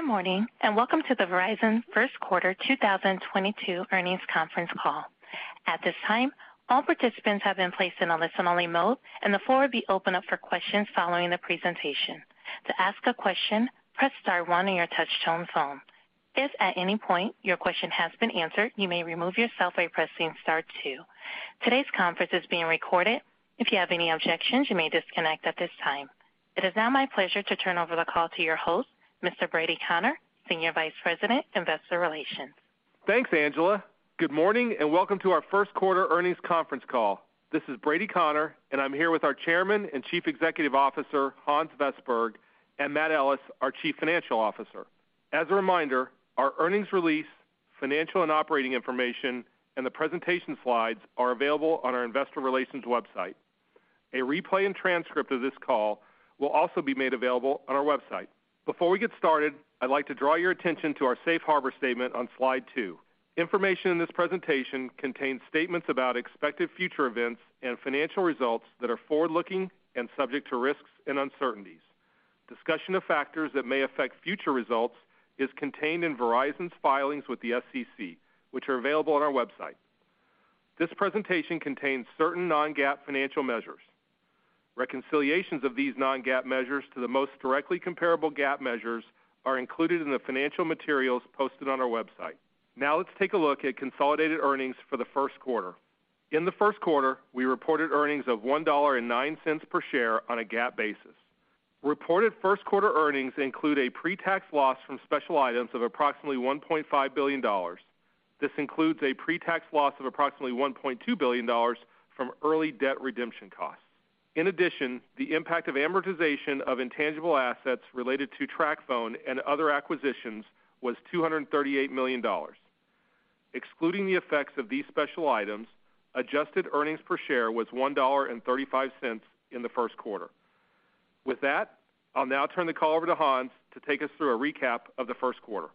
Good morning, and welcome to the Verizon first quarter 2022 earnings conference call. At this time, all participants have been placed in a listen-only mode, and the floor will be opened up for questions following the presentation. To ask a question, press star one on your touchtone phone. If at any point your question has been answered, you may remove yourself by pressing star two. Today's conference is being recorded. If you have any objections, you may disconnect at this time. It is now my pleasure to turn over the call to your host, Mr. Brady Connor, Senior Vice President, Investor Relations. Thanks, Angela. Good morning, and welcome to our first quarter earnings conference call. This is Brady Connor, and I'm here with our Chairman and Chief Executive Officer, Hans Vestberg, and Matt Ellis, our Chief Financial Officer. As a reminder, our earnings release, financial and operating information, and the presentation slides are available on our investor relations website. A replay and transcript of this call will also be made available on our website. Before we get started, I'd like to draw your attention to our safe harbor statement on slide two. Information in this presentation contains statements about expected future events and financial results that are forward-looking and subject to risks and uncertainties. Discussion of factors that may affect future results is contained in Verizon's filings with the SEC, which are available on our website. This presentation contains certain non-GAAP financial measures. Reconciliations of these non-GAAP measures to the most directly comparable GAAP measures are included in the financial materials posted on our website. Now let's take a look at consolidated earnings for the first quarter. In the first quarter, we reported earnings of $1.09 per share on a GAAP basis. Reported first quarter earnings include a pre-tax loss from special items of approximately $1.5 billion. This includes a pre-tax loss of approximately $1.2 billion from early debt redemption costs. In addition, the impact of amortization of intangible assets related to TracFone and other acquisitions was $238 million. Excluding the effects of these special items, adjusted earnings per share was $1.35 in the first quarter. With that, I'll now turn the call over to Hans to take us through a recap of the first quarter.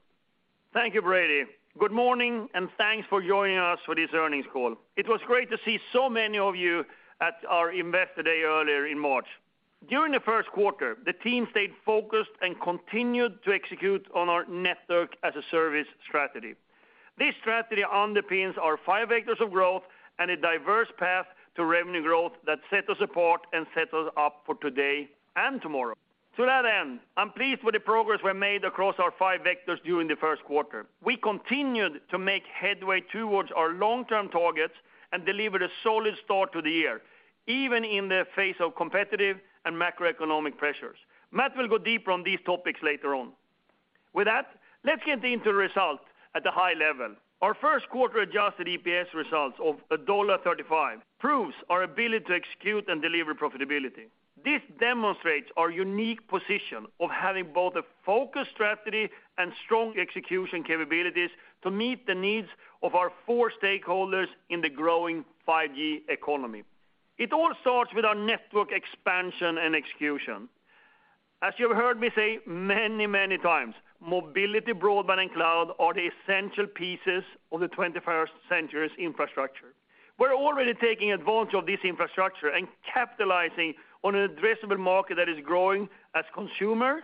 Thank you, Brady. Good morning, and thanks for joining us for this earnings call. It was great to see so many of you at our Investor Day earlier in March. During the first quarter, the team stayed focused and continued to execute on our Network as a Service strategy. This strategy underpins our five vectors of growth and a diverse path to revenue growth that set us apart and set us up for today and tomorrow. To that end, I'm pleased with the progress we've made across our five vectors during the first quarter. We continued to make headway towards our long-term targets and delivered a solid start to the year, even in the face of competitive and macroeconomic pressures. Matt will go deeper on these topics later on. With that, let's get into the results at a high level. Our first quarter adjusted EPS results of $1.35 proves our ability to execute and deliver profitability. This demonstrates our unique position of having both a focused strategy and strong execution capabilities to meet the needs of our four stakeholders in the growing 5G economy. It all starts with our network expansion and execution. As you have heard me say many, many times, mobility, broadband, and cloud are the essential pieces of the 21st century's infrastructure. We're already taking advantage of this infrastructure and capitalizing on an addressable market that is growing as consumers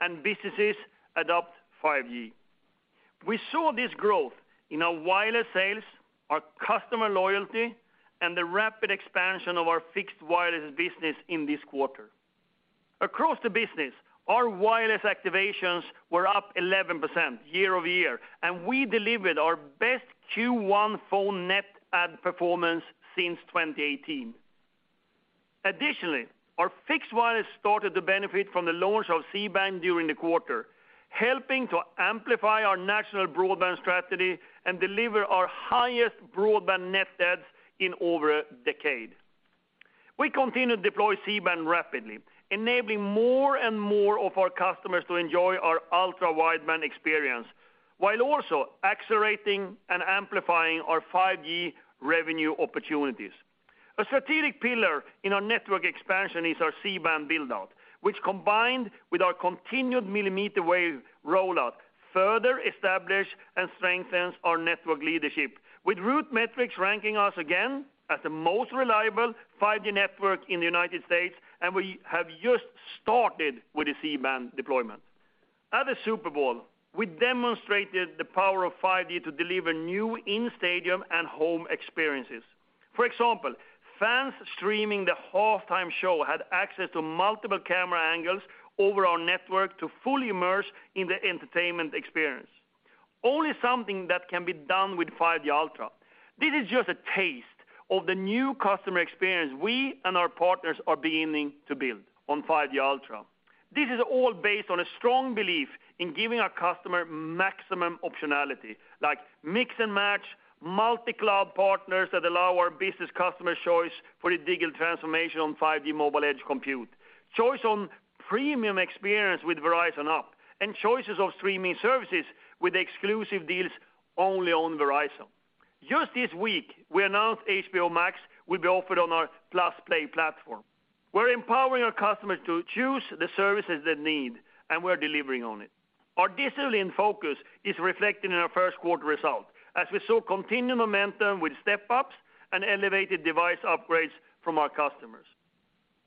and businesses adopt 5G. We saw this growth in our wireless sales, our customer loyalty, and the rapid expansion of our fixed wireless business in this quarter. Across the business, our wireless activations were up 11% year-over-year, and we delivered our best Q1 phone net add performance since 2018. Additionally, our fixed wireless started to benefit from the launch of C-Band during the quarter, helping to amplify our national broadband strategy and deliver our highest broadband net adds in over a decade. We continue to deploy C-Band rapidly, enabling more and more of our customers to enjoy our Ultra Wideband experience, while also accelerating and amplifying our 5G revenue opportunities. A strategic pillar in our network expansion is our C-Band build-out, which combined with our continued millimeter wave rollout, further establish and strengthens our network leadership, with RootMetrics ranking us again as the most reliable 5G network in the United States, and we have just started with the C-Band deployment. At the Super Bowl, we demonstrated the power of 5G to deliver new in-stadium and home experiences. For example, fans streaming the halftime show had access to multiple camera angles over our network to fully immerse in the entertainment experience. Only something that can be done with 5G Ultra. This is just a taste of the new customer experience we and our partners are beginning to build on 5G Ultra. This is all based on a strong belief in giving our customer maximum optionality, like mix and match multi-cloud partners that allow our business customer choice for the digital transformation on 5G mobile edge compute. Choice on premium experience with Verizon Up, and choices of streaming services with exclusive deals only on Verizon. Just this week, we announced HBO Max will be offered on our +play platform. We're empowering our customers to choose the services they need, and we're delivering on it. Our discipline focus is reflected in our first quarter results, as we saw continued momentum with step-ups and elevated device upgrades from our customers.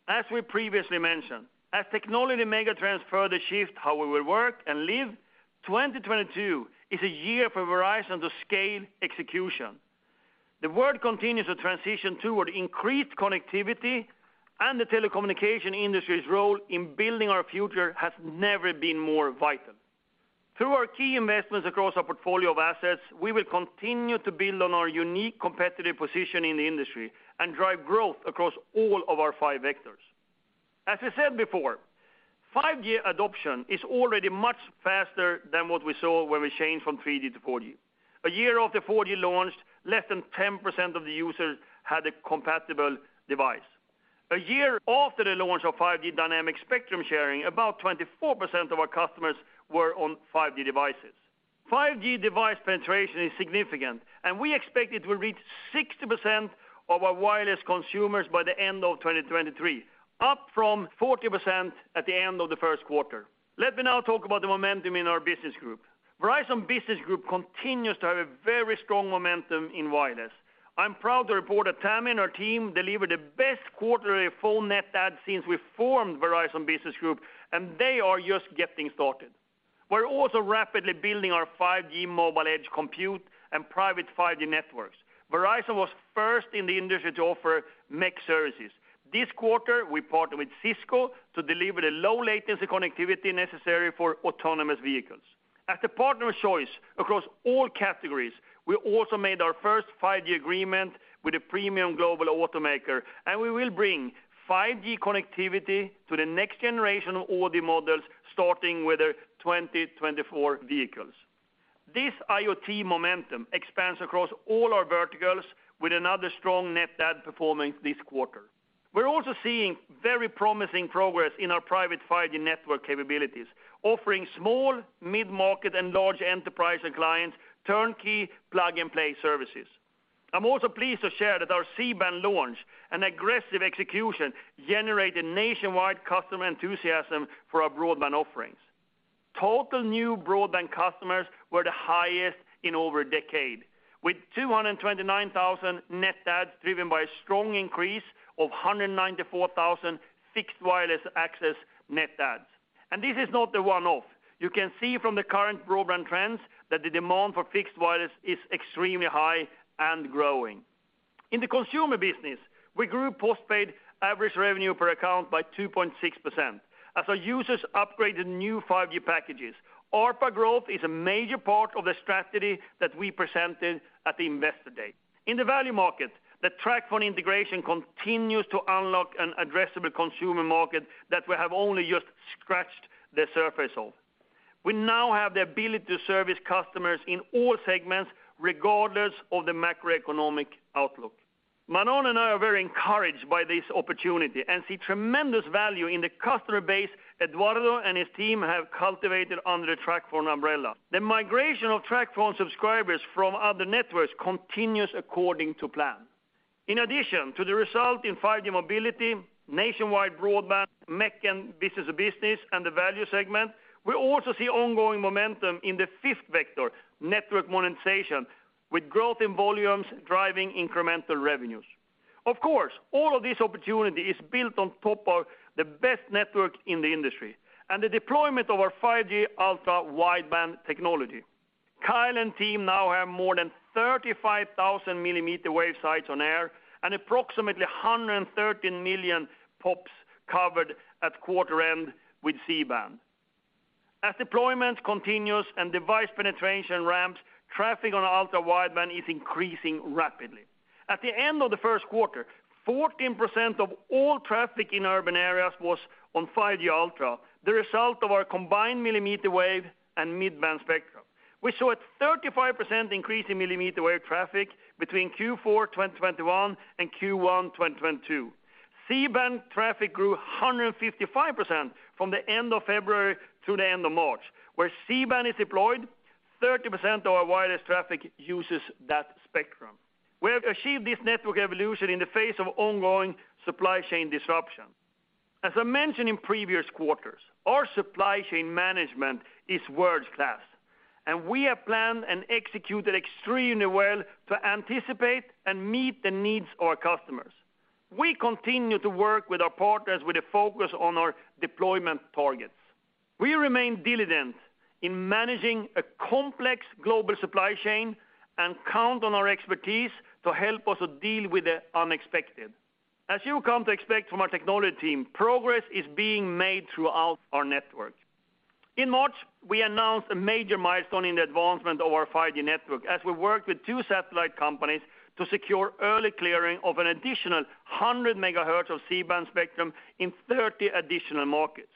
As we previously mentioned, as technology megatrends further shift how we will work and live, 2022 is a year for Verizon to scale execution. The world continues to transition toward increased connectivity, and the telecommunications industry's role in building our future has never been more vital. Through our key investments across our portfolio of assets, we will continue to build on our unique competitive position in the industry and drive growth across all of our five vectors. As I said before, 5G adoption is already much faster than what we saw when we changed from 3G to 4G. A year after 4G launched, less than 10% of the users had a compatible device. A year after the launch of 5G dynamic spectrum sharing, about 24% of our customers were on 5G devices. 5G device penetration is significant, and we expect it will reach 60% of our wireless consumers by the end of 2023, up from 40% at the end of the first quarter. Let me now talk about the momentum in our business group. Verizon Business Group continues to have a very strong momentum in wireless. I'm proud to report that Tami and her team delivered the best quarterly phone net add since we formed Verizon Business Group, and they are just getting started. We're also rapidly building our 5G mobile edge compute and private 5G networks. Verizon was first in the industry to offer MEC services. This quarter, we partnered with Cisco to deliver the low latency connectivity necessary for autonomous vehicles. As the partner of choice across all categories, we also made our first 5G agreement with a premium global automaker, and we will bring 5G connectivity to the next generation of Audi models, starting with the 2024 vehicles. This IoT momentum expands across all our verticals with another strong net add performance this quarter. We're also seeing very promising progress in our private 5G network capabilities, offering small, mid-market, and large enterprise and clients turnkey plug-and-play services. I'm also pleased to share that our C-Band launch and aggressive execution generated nationwide customer enthusiasm for our broadband offerings. Total new broadband customers were the highest in over a decade, with 229,000 net adds driven by a strong increase of 194,000 fixed wireless access net adds. This is not the one-off. You can see from the current broadband trends that the demand for fixed wireless is extremely high and growing. In the consumer business, we grew postpaid average revenue per account by 2.6%. As our users upgraded new 5G packages, ARPA growth is a major part of the strategy that we presented at the Investor Day. In the value market, the TracFone integration continues to unlock an addressable consumer market that we have only just scratched the surface of. We now have the ability to service customers in all segments, regardless of the macroeconomic outlook. Manon and I are very encouraged by this opportunity and see tremendous value in the customer base Eduardo and his team have cultivated under the TracFone umbrella. The migration of TracFone subscribers from other networks continues according to plan. In addition to the result in 5G mobility, nationwide broadband, MEC, and business to business, and the value segment, we also see ongoing momentum in the fifth vector, network monetization, with growth in volumes driving incremental revenues. Of course, all of this opportunity is built on top of the best network in the industry and the deployment of our 5G Ultra Wideband technology. Kyle and team now have more than 35,000 millimeter wave sites on air and approximately 113 million PoPs covered at quarter end with C-band. As deployment continues and device penetration ramps, traffic on Ultra Wideband is increasing rapidly. At the end of the first quarter, 14% of all traffic in urban areas was on 5G Ultra, the result of our combined millimeter wave and mid-band spectrum. We saw a 35% increase in millimeter wave traffic between Q4 2021 and Q1 2022. C-Band traffic grew 155% from the end of February to the end of March. Where C-Band is deployed, 30% of our wireless traffic uses that spectrum. We have achieved this network evolution in the face of ongoing supply chain disruption. As I mentioned in previous quarters, our supply chain management is world-class, and we have planned and executed extremely well to anticipate and meet the needs of our customers. We continue to work with our partners with a focus on our deployment targets. We remain diligent in managing a complex global supply chain and count on our expertise to help us to deal with the unexpected. As you come to expect from our technology team, progress is being made throughout our network. In March, we announced a major milestone in the advancement of our 5G network as we worked with two satellite companies to secure early clearing of an additional 100 MHz of C-band spectrum in 30 additional markets.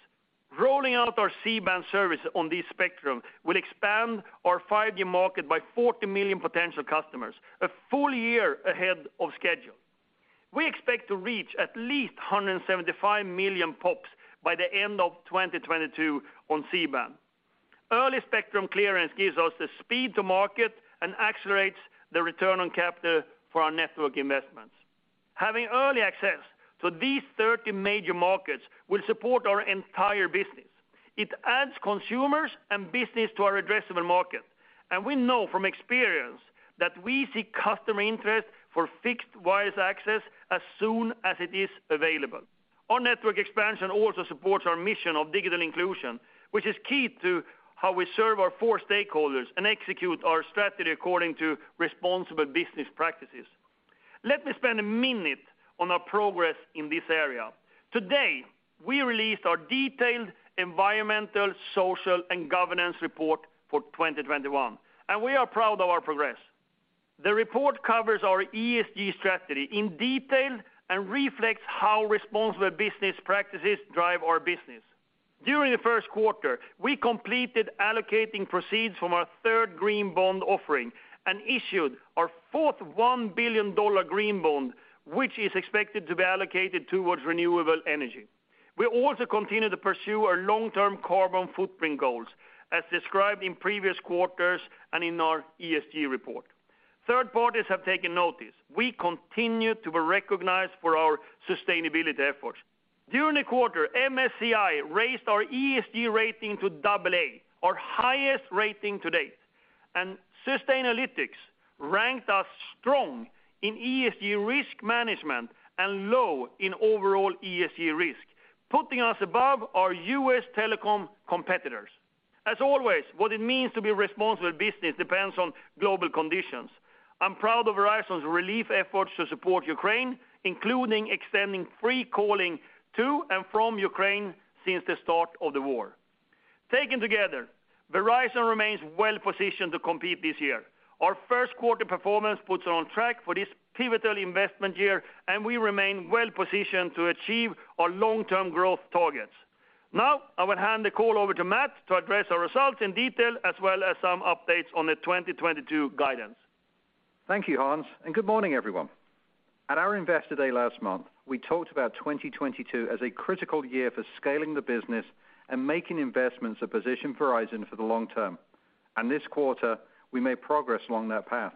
Rolling out our C-band service on this spectrum will expand our 5G market by 40 million potential customers, a full year ahead of schedule. We expect to reach at least 175 million PoPs by the end of 2022 on C-band. Early spectrum clearance gives us the speed to market and accelerates the return on capital for our network investments. Having early access to these 30 major markets will support our entire business. It adds consumers and business to our addressable market. We know from experience that we see customer interest for fixed wireless access as soon as it is available. Our network expansion also supports our mission of digital inclusion, which is key to how we serve our four stakeholders and execute our strategy according to responsible business practices. Let me spend a minute on our progress in this area. Today, we released our detailed environmental, social, and governance report for 2021, and we are proud of our progress. The report covers our ESG strategy in detail and reflects how responsible business practices drive our business. During the first quarter, we completed allocating proceeds from our third green bond offering and issued our fourth $1 billion green bond, which is expected to be allocated towards renewable energy. We also continue to pursue our long-term carbon footprint goals, as described in previous quarters and in our ESG report. Third parties have taken notice. We continue to be recognized for our sustainability efforts. During the quarter, MSCI raised our ESG rating to double A, our highest rating to date. Sustainalytics ranked us strong in ESG risk management and low in overall ESG risk, putting us above our U.S. telecom competitors. As always, what it means to be a responsible business depends on global conditions. I'm proud of Verizon's relief efforts to support Ukraine, including extending free calling to and from Ukraine since the start of the war. Taken together, Verizon remains well-positioned to compete this year. Our first quarter performance puts it on track for this pivotal investment year, and we remain well-positioned to achieve our long-term growth targets. Now, I will hand the call over to Matt to address our results in detail, as well as some updates on the 2022 guidance. Thank you, Hans, and good morning, everyone. At our Investor Day last month, we talked about 2022 as a critical year for scaling the business and making investments that position Verizon for the long term. This quarter, we made progress along that path.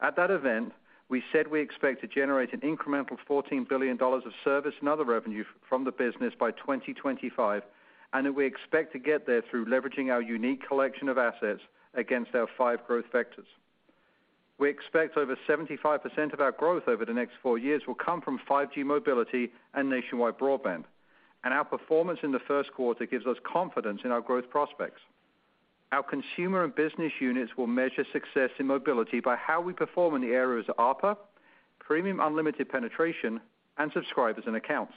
At that event, we said we expect to generate an incremental $14 billion of service and other revenue from the business by 2025, and that we expect to get there through leveraging our unique collection of assets against our five growth vectors. We expect over 75% of our growth over the next four years will come from 5G mobility and nationwide broadband. Our performance in the first quarter gives us confidence in our growth prospects. Our consumer and business units will measure success in mobility by how we perform in the areas of ARPA, premium unlimited penetration, and subscribers and accounts.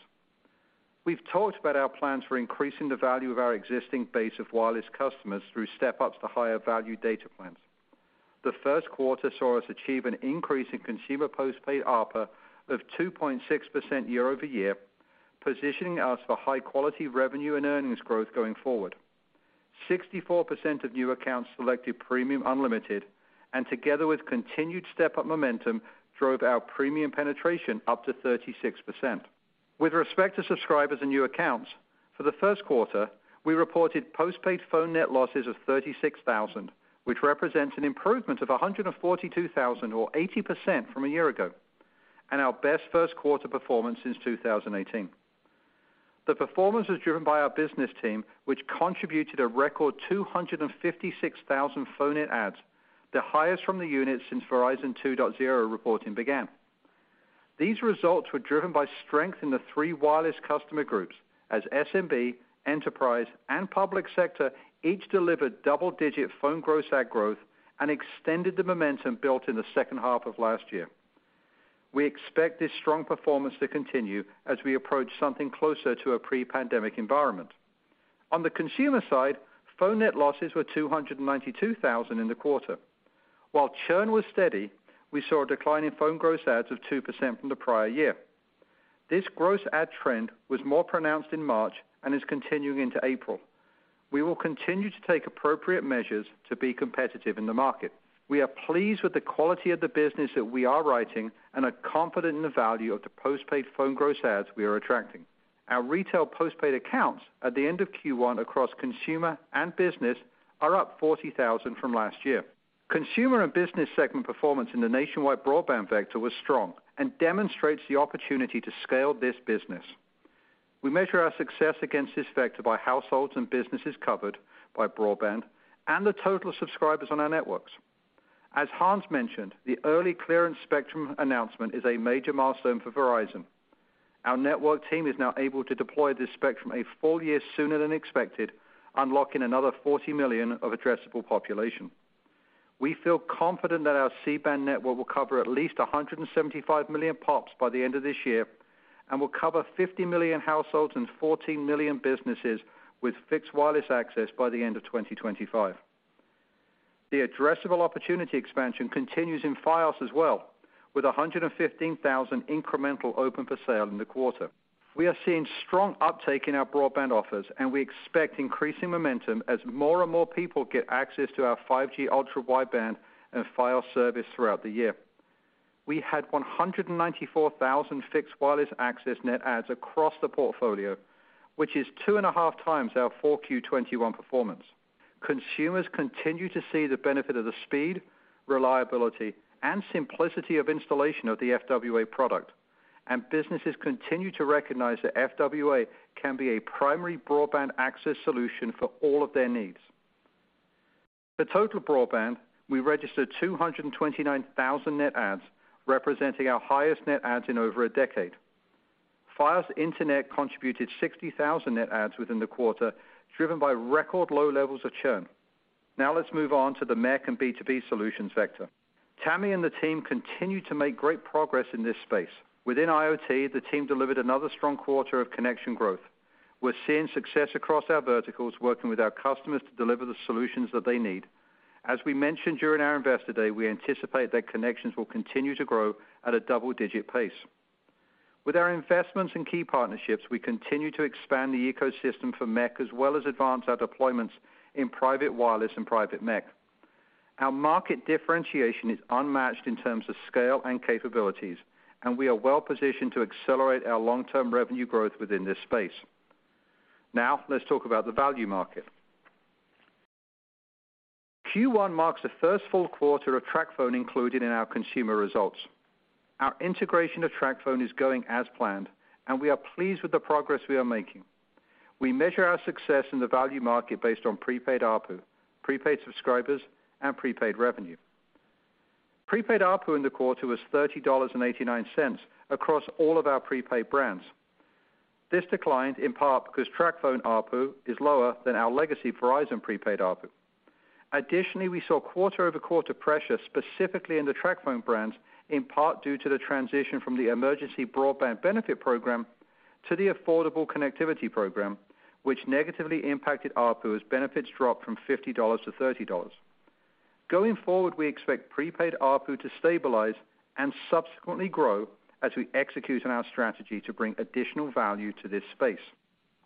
We've talked about our plans for increasing the value of our existing base of wireless customers through step-ups to higher value data plans. The first quarter saw us achieve an increase in consumer postpaid ARPA of 2.6% year-over-year, positioning us for high quality revenue and earnings growth going forward. 64% of new accounts selected premium unlimited, and together with continued step-up momentum, drove our premium penetration up to 36%. With respect to subscribers and new accounts, for the first quarter, we reported postpaid phone net losses of 36,000, which represents an improvement of 142,000 or 80% from a year ago, and our best first quarter performance since 2018. The performance was driven by our business team, which contributed a record 256,000 phone net adds, the highest from the unit since Verizon 2.0 reporting began. These results were driven by strength in the three wireless customer groups, as SMB, enterprise, and public sector each delivered double-digit phone gross add growth and extended the momentum built in the second half of last year. We expect this strong performance to continue as we approach something closer to a pre-pandemic environment. On the consumer side, phone net losses were 292,000 in the quarter. While churn was steady, we saw a decline in phone gross adds of 2% from the prior year. This gross add trend was more pronounced in March and is continuing into April. We will continue to take appropriate measures to be competitive in the market. We are pleased with the quality of the business that we are writing and are confident in the value of the postpaid phone gross adds we are attracting. Our retail postpaid accounts at the end of Q1 across consumer and business are up 40,000 from last year. Consumer and business segment performance in the nationwide broadband vector was strong and demonstrates the opportunity to scale this business. We measure our success against this vector by households and businesses covered by broadband and the total subscribers on our networks. As Hans mentioned, the early clearance spectrum announcement is a major milestone for Verizon. Our network team is now able to deploy this spectrum a full year sooner than expected, unlocking another 40 million of addressable population. We feel confident that our C-Band network will cover at least 175 million PoPs by the end of this year and will cover 50 million households and 14 million businesses with fixed wireless access by the end of 2025. The addressable opportunity expansion continues in Fios as well, with 115,000 incremental open for sale in the quarter. We are seeing strong uptake in our broadband offers, and we expect increasing momentum as more and more people get access to our 5G Ultra Wideband and Fios service throughout the year. We had 194,000 fixed wireless access net adds across the portfolio, which is 2.5 times our 4Q 2021 performance. Consumers continue to see the benefit of the speed, reliability, and simplicity of installation of the FWA product. Businesses continue to recognize that FWA can be a primary broadband access solution for all of their needs. For total broadband, we registered 229,000 net adds, representing our highest net adds in over a decade. Fios Internet contributed 60,000 net adds within the quarter, driven by record low levels of churn. Now let's move on to the MEC and B2B solutions vector. Tami and the team continue to make great progress in this space. Within IoT, the team delivered another strong quarter of connection growth. We're seeing success across our verticals, working with our customers to deliver the solutions that they need. As we mentioned during our Investor Day, we anticipate that connections will continue to grow at a double-digit pace. With our investments in key partnerships, we continue to expand the ecosystem for MEC, as well as advance our deployments in private wireless and private MEC. Our market differentiation is unmatched in terms of scale and capabilities, and we are well-positioned to accelerate our long-term revenue growth within this space. Now, let's talk about the value market. Q1 marks the first full quarter of TracFone included in our consumer results. Our integration of TracFone is going as planned, and we are pleased with the progress we are making. We measure our success in the value market based on prepaid ARPU, prepaid subscribers, and prepaid revenue. Prepaid ARPU in the quarter was $30.89 across all of our prepaid brands. This declined in part because TracFone ARPU is lower than our legacy Verizon prepaid ARPU. Additionally, we saw quarter-over-quarter pressure, specifically in the TracFone brands, in part due to the transition from the Emergency Broadband Benefit program to the Affordable Connectivity Program, which negatively impacted ARPU as benefits dropped from $50-$30. Going forward, we expect prepaid ARPU to stabilize and subsequently grow as we execute on our strategy to bring additional value to this space.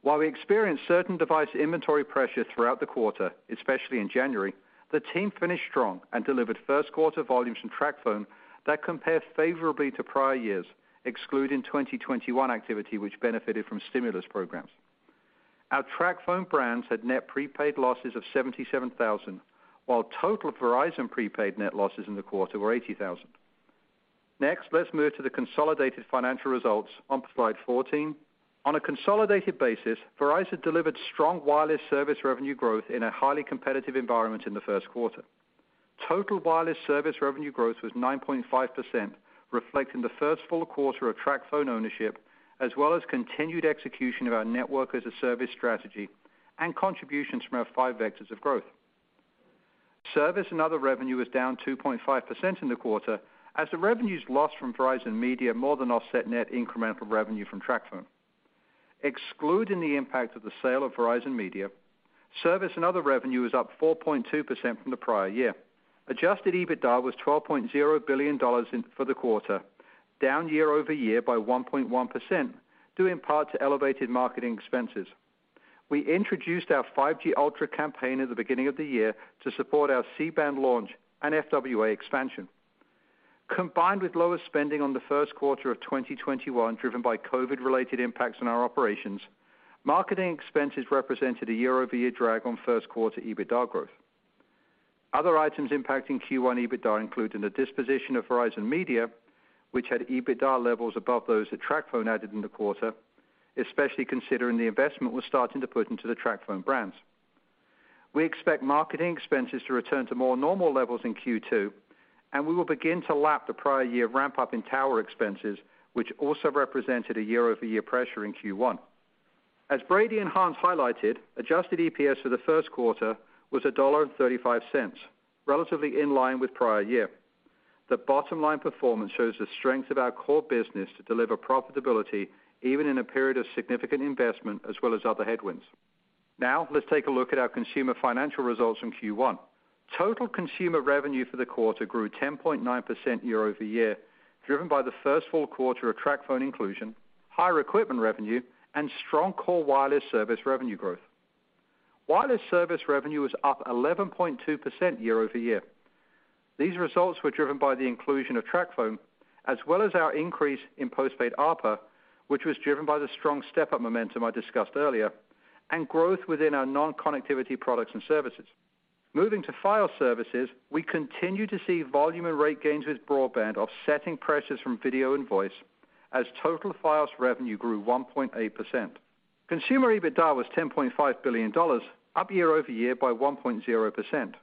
While we experienced certain device inventory pressure throughout the quarter, especially in January, the team finished strong and delivered first quarter volumes from TracFone that compare favorably to prior years, excluding 2021 activity, which benefited from stimulus programs. Our TracFone brands had net prepaid losses of 77,000, while total Verizon prepaid net losses in the quarter were 80,000. Next, let's move to the consolidated financial results on slide 14. On a consolidated basis, Verizon delivered strong wireless service revenue growth in a highly competitive environment in the first quarter. Total wireless service revenue growth was 9.5%, reflecting the first full quarter of TracFone ownership, as well as continued execution of our Network as a Service strategy and contributions from our five vectors of growth. Service and other revenue was down 2.5% in the quarter as the revenues lost from Verizon Media more than offset net incremental revenue from TracFone. Excluding the impact of the sale of Verizon Media, service and other revenue was up 4.2% from the prior year. Adjusted EBITDA was $12.0 billion for the quarter, down year-over-year by 1.1%, due in part to elevated marketing expenses. We introduced our 5G Ultra campaign at the beginning of the year to support our C-band launch and FWA expansion. Combined with lower spending on the first quarter of 2021, driven by COVID-related impacts on our operations, marketing expenses represented a year-over-year drag on first quarter EBITDA growth. Other items impacting Q1 EBITDA include the disposition of Verizon Media, which had EBITDA levels above those that TracFone added in the quarter, especially considering the investment we're starting to put into the TracFone brands. We expect marketing expenses to return to more normal levels in Q2, and we will begin to lap the prior year ramp-up in tower expenses, which also represented a year-over-year pressure in Q1. As Brady and Hans highlighted, adjusted EPS for the first quarter was $1.35, relatively in line with prior year. The bottom line performance shows the strength of our core business to deliver profitability even in a period of significant investment as well as other headwinds. Now let's take a look at our consumer financial results in Q1. Total consumer revenue for the quarter grew 10.9% year-over-year, driven by the first full quarter of TracFone inclusion, higher equipment revenue, and strong core wireless service revenue growth. Wireless service revenue was up 11.2% year-over-year. These results were driven by the inclusion of TracFone, as well as our increase in postpaid ARPU, which was driven by the strong step-up momentum I discussed earlier, and growth within our non-connectivity products and services. Moving to Fios services, we continue to see volume and rate gains with broadband offsetting pressures from video and voice as total Fios revenue grew 1.8%. Consumer EBITDA was $10.5 billion, up year-over-year by 1.0%.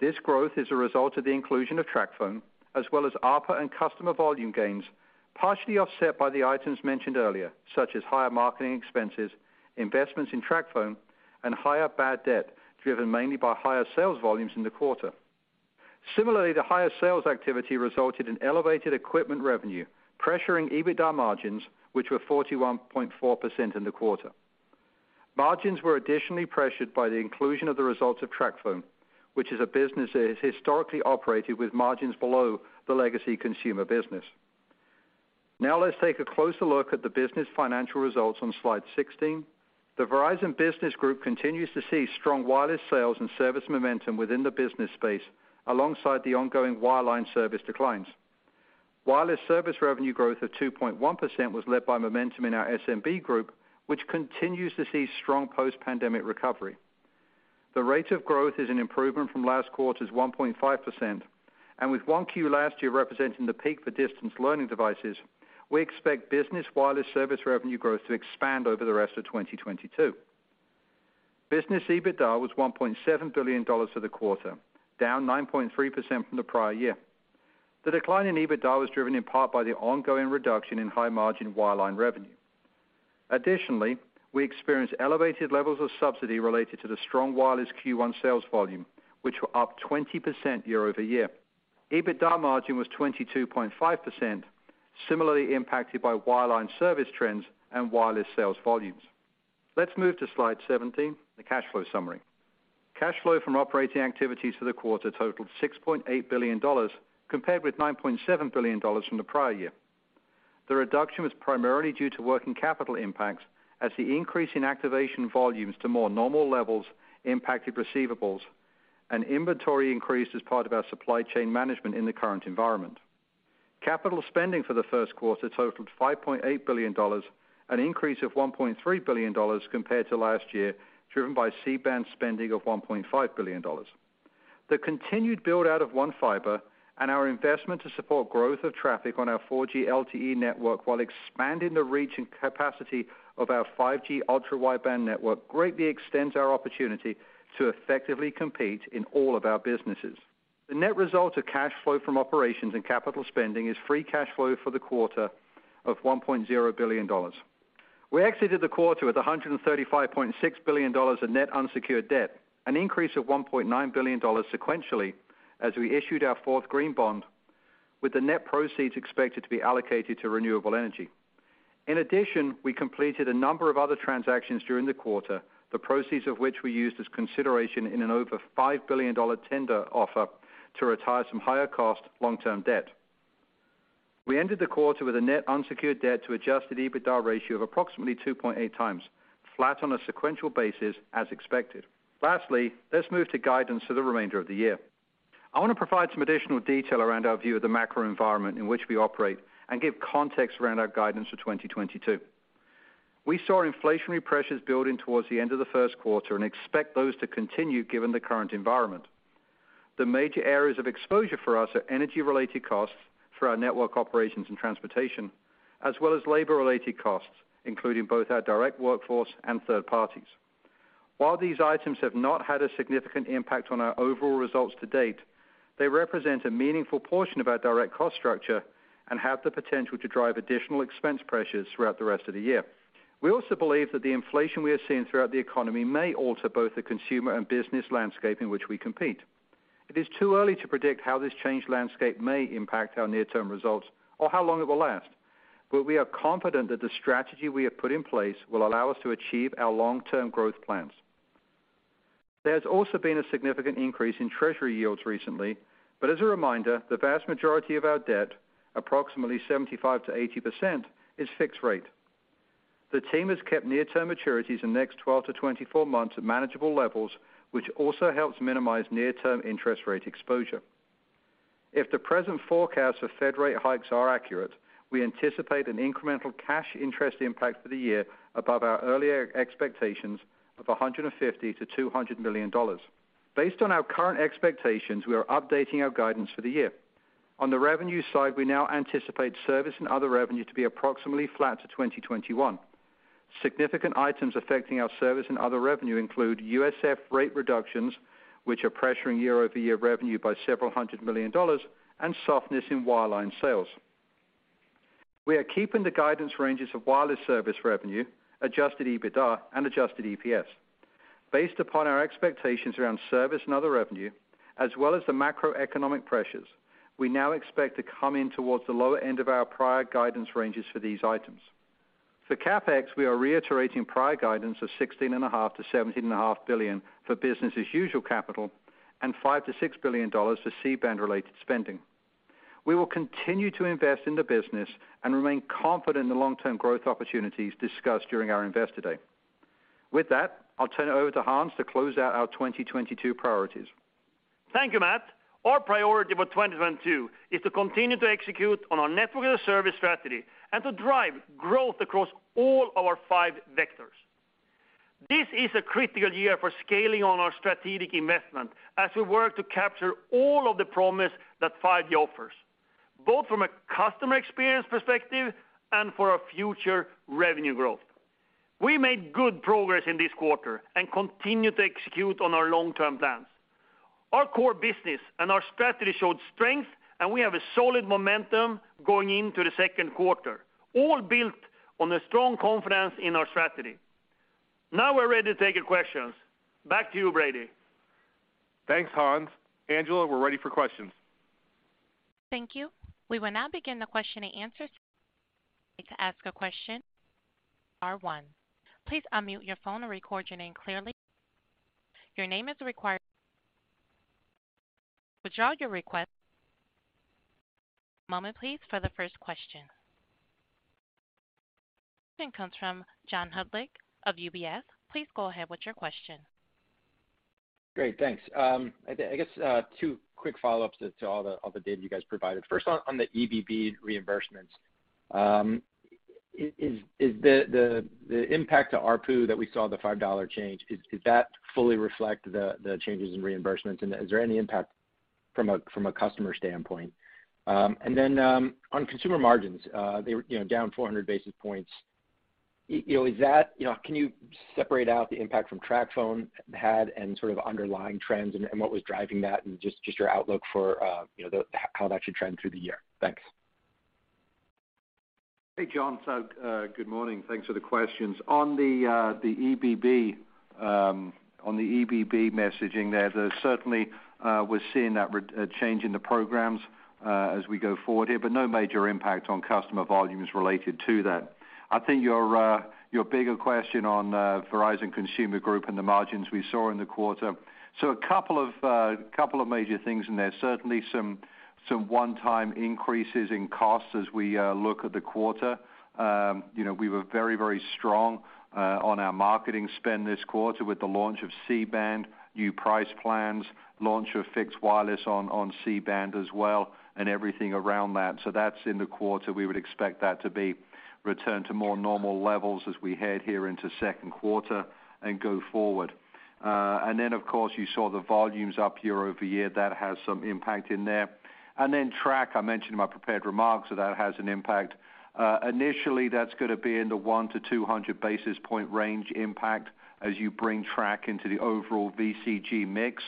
This growth is a result of the inclusion of TracFone, as well as ARPA and customer volume gains, partially offset by the items mentioned earlier, such as higher marketing expenses, investments in TracFone, and higher bad debt driven mainly by higher sales volumes in the quarter. Similarly, the higher sales activity resulted in elevated equipment revenue, pressuring EBITDA margins, which were 41.4% in the quarter. Margins were additionally pressured by the inclusion of the results of TracFone, which is a business that has historically operated with margins below the legacy consumer business. Now let's take a closer look at the business financial results on slide 16. The Verizon Business Group continues to see strong wireless sales and service momentum within the business space alongside the ongoing wireline service declines. Wireless service revenue growth of 2.1% was led by momentum in our SMB group, which continues to see strong post-pandemic recovery. The rate of growth is an improvement from last quarter's 1.5%, and with Q1 last year representing the peak for distance learning devices, we expect business wireless service revenue growth to expand over the rest of 2022. Business EBITDA was $1.7 billion for the quarter, down 9.3% from the prior year. The decline in EBITDA was driven in part by the ongoing reduction in high-margin wireline revenue. Additionally, we experienced elevated levels of subsidy related to the strong wireless Q1 sales volume, which were up 20% year over year. EBITDA margin was 22.5%, similarly impacted by wireline service trends and wireless sales volumes. Let's move to slide 17, the cash flow summary. Cash flow from operating activities for the quarter totaled $6.8 billion compared with $9.7 billion from the prior year. The reduction was primarily due to working capital impacts as the increase in activation volumes to more normal levels impacted receivables and inventory increased as part of our supply chain management in the current environment. Capital spending for the first quarter totaled $5.8 billion, an increase of $1.3 billion compared to last year, driven by C-Band spending of $1.5 billion. The continued build-out of One Fiber and our investment to support growth of traffic on our 4G LTE network while expanding the reach and capacity of our 5G Ultra Wideband network greatly extends our opportunity to effectively compete in all of our businesses. The net result of cash flow from operations and capital spending is free cash flow for the quarter of $1.0 billion. We exited the quarter with $135.6 billion of net unsecured debt, an increase of $1.9 billion sequentially as we issued our fourth green bond with the net proceeds expected to be allocated to renewable energy. In addition, we completed a number of other transactions during the quarter, the proceeds of which we used as consideration in an over $5 billion tender offer to retire some higher cost long-term debt. We ended the quarter with a net unsecured debt to adjusted EBITDA ratio of approximately 2.8 times, flat on a sequential basis as expected. Lastly, let's move to guidance for the remainder of the year. I want to provide some additional detail around our view of the macro environment in which we operate and give context around our guidance for 2022. We saw inflationary pressures building towards the end of the first quarter and expect those to continue given the current environment. The major areas of exposure for us are energy-related costs for our network operations and transportation, as well as labor-related costs, including both our direct workforce and third parties. While these items have not had a significant impact on our overall results to date, they represent a meaningful portion of our direct cost structure and have the potential to drive additional expense pressures throughout the rest of the year. We also believe that the inflation we are seeing throughout the economy may alter both the consumer and business landscape in which we compete. It is too early to predict how this changed landscape may impact our near-term results or how long it will last, but we are confident that the strategy we have put in place will allow us to achieve our long-term growth plans. There has also been a significant increase in treasury yields recently, but as a reminder, the vast majority of our debt, approximately 75%-80%, is fixed rate. The team has kept near-term maturities in the next 12-24 months at manageable levels, which also helps minimize near-term interest rate exposure. If the present forecasts of Fed rate hikes are accurate, we anticipate an incremental cash interest impact for the year above our earlier expectations of 150 million-$200 million. Based on our current expectations, we are updating our guidance for the year. On the revenue side, we now anticipate service and other revenue to be approximately flat to 2021. Significant items affecting our service and other revenue include USF rate reductions, which are pressuring year-over-year revenue by $several hundred million and softness in wireline sales. We are keeping the guidance ranges of wireless service revenue, adjusted EBITDA and adjusted EPS. Based upon our expectations around service and other revenue, as well as the macroeconomic pressures, we now expect to come in towards the lower end of our prior guidance ranges for these items. For CapEx, we are reiterating prior guidance of 16.5 billion-17.5 billion for business as usual capital and 5 billion-$6 billion for C-band related spending. We will continue to invest in the business and remain confident in the long-term growth opportunities discussed during our Investor Day. With that, I'll turn it over to Hans to close out our 2022 priorities. Thank you, Matt. Our priority for 2022 is to continue to execute on our Network as a Service strategy and to drive growth across all our five vectors. This is a critical year for scaling on our strategic investment as we work to capture all of the promise that 5G offers, both from a customer experience perspective and for our future revenue growth. We made good progress in this quarter and continue to execute on our long-term plans. Our core business and our strategy showed strength, and we have a solid momentum going into the second quarter, all built on a strong confidence in our strategy. Now we're ready to take your questions. Back to you, Brady. Thanks, Hans. Angela, we're ready for questions. Thank you. We will now begin the question and answer. First question comes from John Hodulik of UBS. Please go ahead with your question. Great, thanks. I guess two quick follow-ups to all the data you guys provided. First on the EBB reimbursements. Is the impact to ARPU that we saw, the $5 change, is that fully reflect the changes in reimbursements? And is there any impact from a customer standpoint? And then, on consumer margins, they were, you know, down 400 basis points. You know, is that, you know, can you separate out the impact from TracFone had and sort of underlying trends and what was driving that? And just your outlook for, you know, how that should trend through the year. Thanks. Hey, John. Good morning. Thanks for the questions. On the EBB messaging there, we're certainly seeing that change in the programs as we go forward here, but no major impact on customer volumes related to that. I think your bigger question on Verizon Consumer Group and the margins we saw in the quarter. A couple of major things in there. Certainly some one-time increases in costs as we look at the quarter. You know, we were very, very strong on our marketing spend this quarter with the launch of C-Band, new price plans, launch of fixed wireless on C-Band as well, and everything around that. That's in the quarter. We would expect that to be returned to more normal levels as we head here into second quarter and go forward. Of course, you saw the volumes up year-over-year. That has some impact in there. TracFone, I mentioned in my prepared remarks, so that has an impact. Initially, that's gonna be in the 100-200 basis point range impact as you bring TracFone into the overall VCG mix.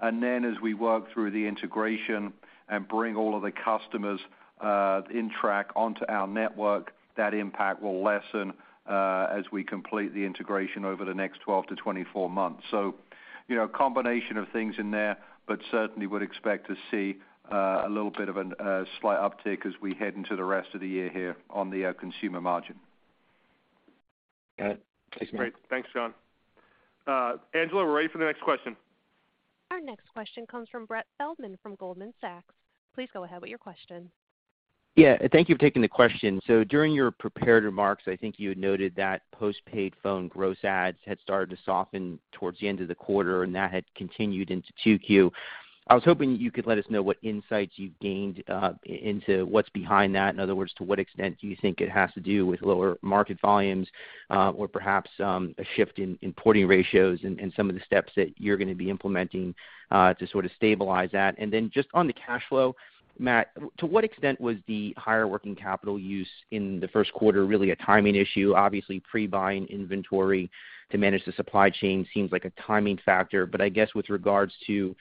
As we work through the integration and bring all of the customers in TracFone onto our network, that impact will lessen as we complete the integration over the next 12-24 months. You know, a combination of things in there, but certainly would expect to see a little bit of a slight uptick as we head into the rest of the year here on the consumer margin. Got it. Thanks, Matt. Great. Thanks, John. Angela, we're ready for the next question. Our next question comes from Brett Feldman from Goldman Sachs. Please go ahead with your question. Yeah. Thank you for taking the question. During your prepared remarks, I think you had noted that post-paid phone gross adds had started to soften towards the end of the quarter, and that had continued into 2Q. I was hoping you could let us know what insights you've gained into what's behind that. In other words, to what extent do you think it has to do with lower market volumes or perhaps a shift in porting ratios and some of the steps that you're gonna be implementing to sort of stabilize that. Just on the cash flow, Matt, to what extent was the higher working capital use in the first quarter really a timing issue? Obviously, pre-buying inventory to manage the supply chain seems like a timing factor. I guess with regards to,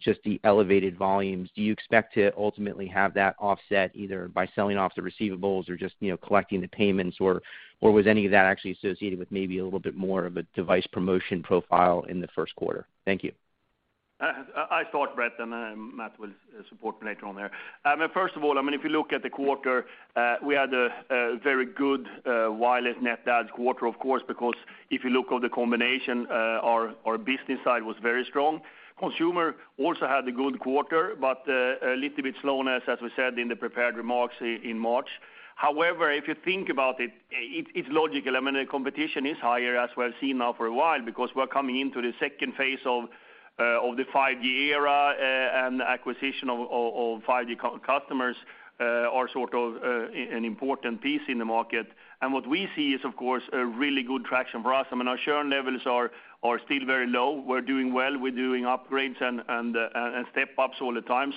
just the elevated volumes, do you expect to ultimately have that offset either by selling off the receivables or just, you know, collecting the payments, or was any of that actually associated with maybe a little bit more of a device promotion profile in the first quarter? Thank you. I start, Brett, and then Matt will support me later on there. But first of all, I mean, if you look at the quarter, we had a very good wireless net adds quarter, of course, because if you look on the combination, our business side was very strong. Consumer also had a good quarter, but a little bit slowness, as we said in the prepared remarks in March. However, if you think about it's logical. I mean, the competition is higher, as we have seen now for a while, because we're coming into the second phase of the 5G era, and the acquisition of 5G customers are sort of an important piece in the market. What we see is, of course, a really good traction for us. I mean, our share levels are still very low. We're doing well. We're doing upgrades and step-ups all the time.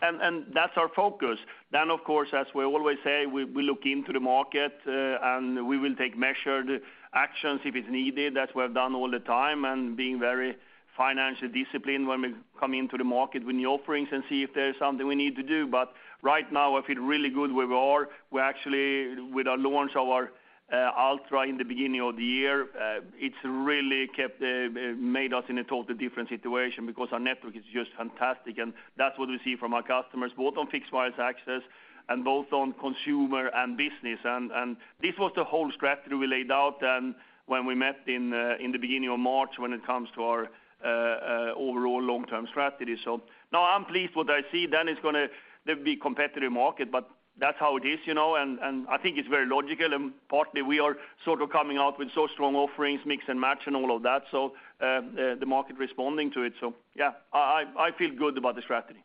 And that's our focus. Of course, as we always say, we look into the market, and we will take measured actions if it's needed, as we have done all the time, and being very financially disciplined when we come into the market with new offerings and see if there's something we need to do. Right now, I feel really good where we are. We actually, with our launch of our Ultra in the beginning of the year, it's really kept made us in a totally different situation because our network is just fantastic. That's what we see from our customers, both on fixed wireless access and both on consumer and business. This was the whole strategy we laid out and when we met in the beginning of March, when it comes to our overall long-term strategy. No, I'm pleased with what I see. It's gonna be competitive market, but that's how it is, you know, and I think it's very logical and partly we are sort of coming out with so strong offerings, mix and match and all of that. The market is responding to it. Yeah, I feel good about the strategy.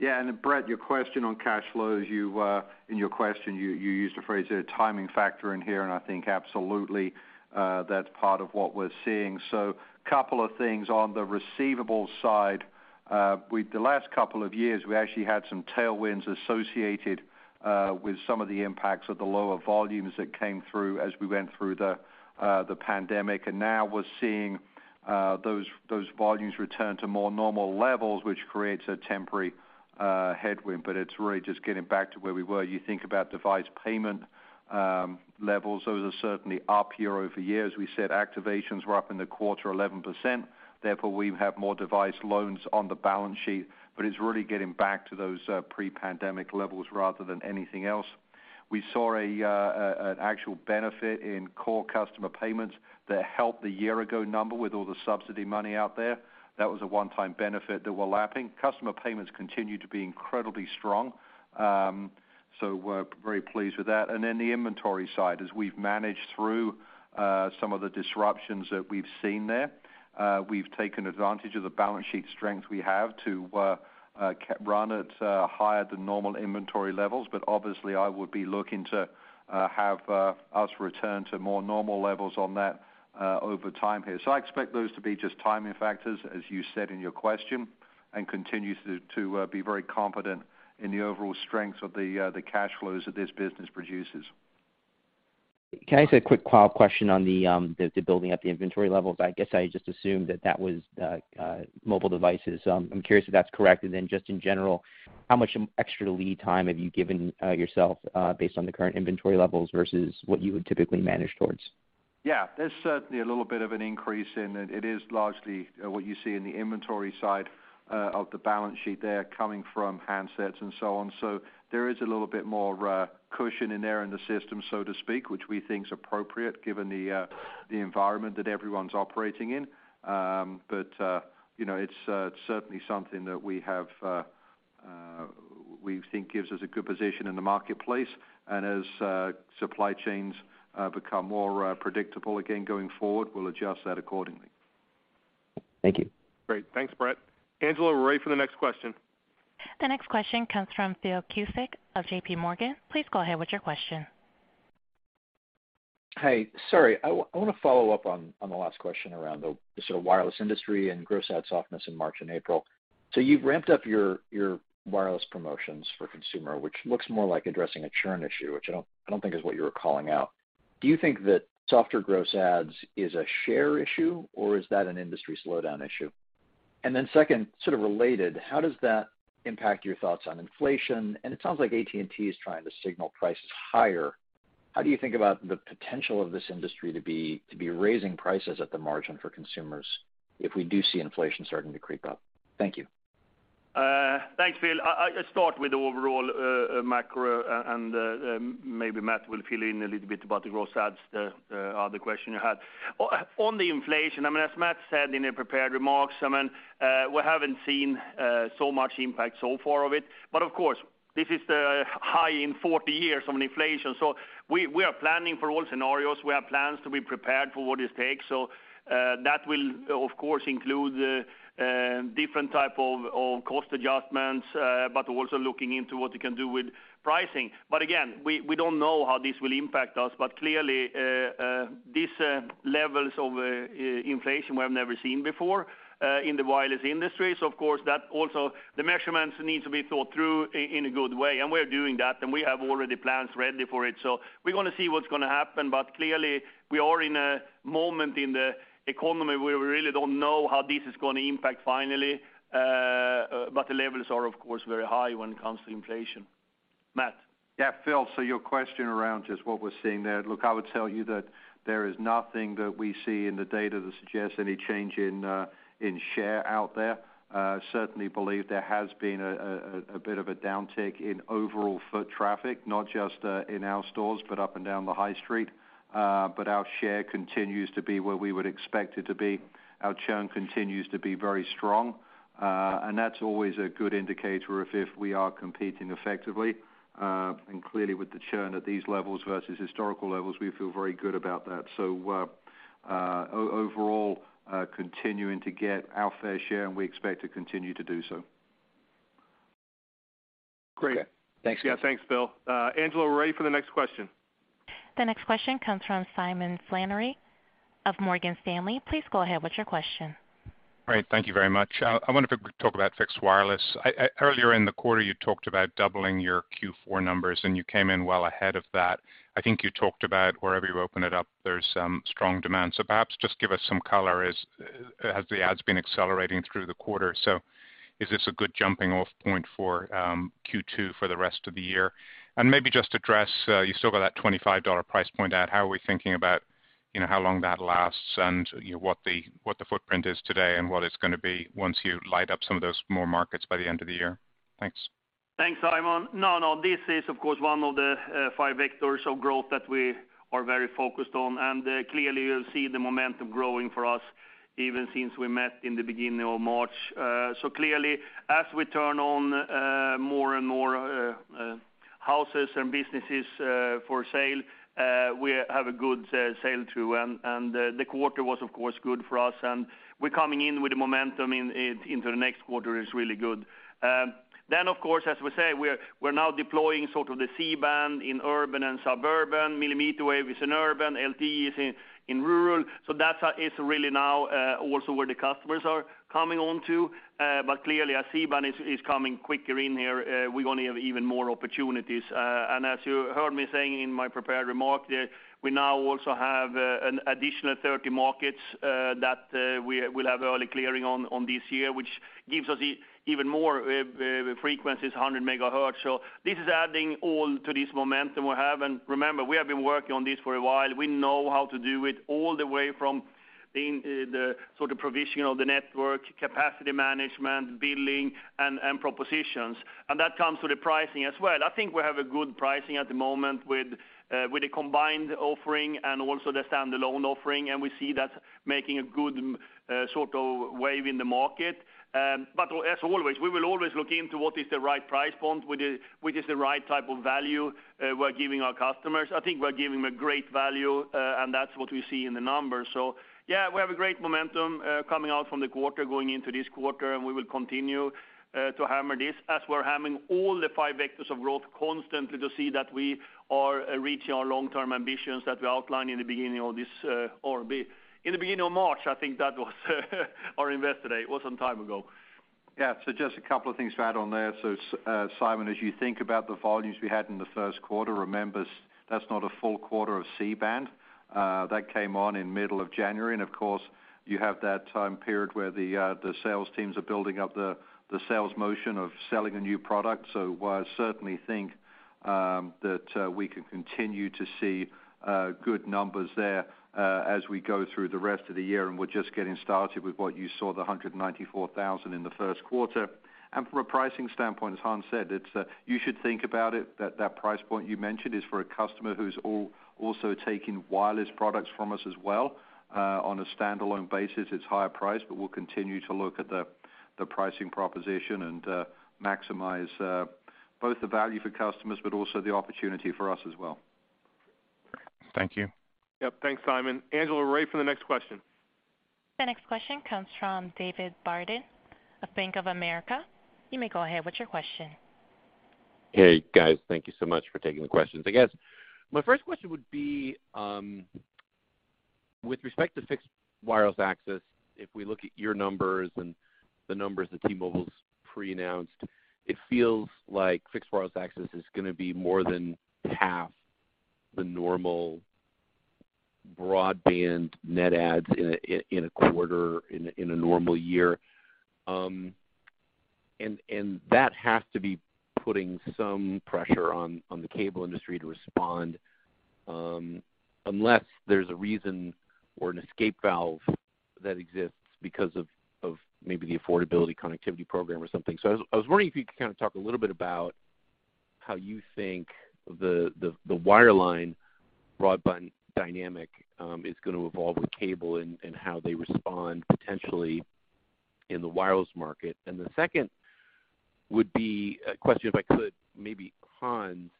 Yeah. Brett, your question on cash flows, in your question, you used the phrase timing factor in here, and I think absolutely, that's part of what we're seeing. Couple of things on the receivable side. The last couple of years, we actually had some tailwinds associated with some of the impacts of the lower volumes that came through as we went through the pandemic. Now we're seeing those volumes return to more normal levels, which creates a temporary headwind, but it's really just getting back to where we were. You think about device payment levels, those are certainly up year over year. As we said, activations were up in the quarter 11%. Therefore, we have more device loans on the balance sheet, but it's really getting back to those pre-pandemic levels rather than anything else. We saw an actual benefit in core customer payments that helped the year ago number with all the subsidy money out there. That was a one-time benefit that we're lapping. Customer payments continue to be incredibly strong. We're very pleased with that. Then the inventory side, as we've managed through some of the disruptions that we've seen there, we've taken advantage of the balance sheet strength we have to run at higher than normal inventory levels. But obviously, I would be looking to have us return to more normal levels on that over time here. I expect those to be just timing factors, as you said in your question, and continue to be very confident in the overall strength of the cash flows that this business produces. Can I ask a quick follow-up question on the building up the inventory levels? I guess I just assumed that was mobile devices. I'm curious if that's correct. Just in general, how much extra lead time have you given yourself based on the current inventory levels versus what you would typically manage towards? Yeah. There's certainly a little bit of an increase, and it is largely what you see in the inventory side of the balance sheet there coming from handsets and so on. There is a little bit more cushion in there in the system, so to speak, which we think is appropriate given the environment that everyone's operating in. You know, it's certainly something that we think gives us a good position in the marketplace. As supply chains become more predictable again going forward, we'll adjust that accordingly. Thank you. Great. Thanks, Brett. Angela, we're ready for the next question. The next question comes from Phil Cusick of J.P. Morgan. Please go ahead with your question. Hey. Sorry, I wanna follow up on the last question around the sort of wireless industry and gross add softness in March and April. So you've ramped up your wireless promotions for consumer, which looks more like addressing a churn issue, which I don't think is what you were calling out. Do you think that softer gross adds is a share issue, or is that an industry slowdown issue? Then second, sort of related, how does that impact your thoughts on inflation? It sounds like AT&T is trying to signal prices higher. How do you think about the potential of this industry to be raising prices at the margin for consumers if we do see inflation starting to creep up? Thank you. Thanks, Phil. I start with the overall macro and maybe Matt will fill in a little bit about the gross adds, the other question you had. On the inflation, I mean, as Matt said in the prepared remarks, I mean, we haven't seen so much impact so far of it. Of course, this is the high in 40 years on inflation. We are planning for all scenarios. We have plans to be prepared for what it takes. That will, of course, include different type of cost adjustments but also looking into what you can do with pricing. Again, we don't know how this will impact us. Clearly, these levels of inflation we have never seen before in the wireless industry. Of course, that also the measurements need to be thought through in a good way, and we're doing that, and we have already plans ready for it. We're gonna see what's gonna happen. Clearly, we are in a moment in the economy where we really don't know how this is gonna impact finally. The levels are, of course, very high when it comes to inflation. Matt? Yeah, Phil, your question around just what we're seeing there. Look, I would tell you that there is nothing that we see in the data that suggests any change in share out there. Certainly believe there has been a bit of a downtick in overall foot traffic, not just in our stores, but up and down the high street. Our share continues to be where we would expect it to be. Our churn continues to be very strong, and that's always a good indicator if we are competing effectively. Clearly with the churn at these levels versus historical levels, we feel very good about that. Overall, continuing to get our fair share, and we expect to continue to do so. Great. Thanks. Yeah. Thanks, Phil. Angela, we're ready for the next question. The next question comes from Simon Flannery of Morgan Stanley. Please go ahead with your question. Great. Thank you very much. I wanna talk about fixed wireless. Earlier in the quarter, you talked about doubling your Q4 numbers, and you came in well ahead of that. I think you talked about wherever you open it up, there's strong demand. Perhaps just give us some color. Have the adds been accelerating through the quarter? Is this a good jumping off point for Q2 for the rest of the year? Maybe just address you still got that $25 price point out. How are we thinking about, you know, how long that lasts and, you know, what the footprint is today and what it's gonna be once you light up some of those more markets by the end of the year? Thanks. Thanks, Simon. No, this is, of course, one of the 5 vectors of growth that we are very focused on. Clearly, you'll see the momentum growing for us even since we met in the beginning of March. Clearly, as we turn on more and more houses and businesses for Fios, we have a good scale too. The quarter was, of course, good for us, and we're coming in with the momentum into the next quarter is really good. Of course, as we say, we're now deploying sort of the C-Band in urban and suburban. Millimeter wave is in urban. LTE is in rural. That's really now also where the customers are coming on to. Clearly, our C-Band is coming quicker in here. We're gonna have even more opportunities. As you heard me saying in my prepared remarks, we now also have an additional 30 markets that we'll have early clearing on this year, which gives us even more frequencies, 100 megahertz. This is adding all to this momentum we have. Remember, we have been working on this for a while. We know how to do it all the way from the sort of provision of the network, capacity management, billing, and propositions. That comes to the pricing as well. I think we have a good pricing at the moment with the combined offering and also the standalone offering, and we see that making a good sort of wave in the market. As always, we will always look into what is the right price point, which is the right type of value we're giving our customers. I think we're giving them great value, and that's what we see in the numbers. Yeah, we have a great momentum coming out from the quarter going into this quarter, and we will continue to hammer this as we're hammering all the five vectors of growth constantly to see that we are reaching our long-term ambitions that we outlined in the beginning of this, in the beginning of March. I think that was our Investor Day. It was some time ago. Yeah. Just a couple of things to add on there. Simon, as you think about the volumes we had in the first quarter, remember that's not a full quarter of C-Band that came on in middle of January. Of course, you have that time period where the sales teams are building up the sales motion of selling a new product. While I certainly think that we can continue to see good numbers there as we go through the rest of the year, and we're just getting started with what you saw, the 194,000 in the first quarter. From a pricing standpoint, as Hans said, it's you should think about it that the price point you mentioned is for a customer who's also taking wireless products from us as well. On a standalone basis, it's higher priced, but we'll continue to look at the pricing proposition and maximize both the value for customers, but also the opportunity for us as well. Thank you. Yep. Thanks, Simon. Angela, we're ready for the next question. The next question comes from David Barden of Bank of America. You may go ahead with your question. Hey, guys. Thank you so much for taking the questions. I guess my first question would be, with respect to fixed wireless access, if we look at your numbers and the numbers that T-Mobile's pre-announced, it feels like fixed wireless access is gonna be more than half the normal broadband net adds in a quarter in a normal year. And that has to be putting some pressure on the cable industry to respond, unless there's a reason or an escape valve that exists because of maybe theAffordable Connectivity Program or something. I was wondering if you could kind of talk a little bit about how you think the wireline broadband dynamic is gonna evolve with cable and how they respond potentially in the wireless market. The second would be a question, if I could, maybe Hans,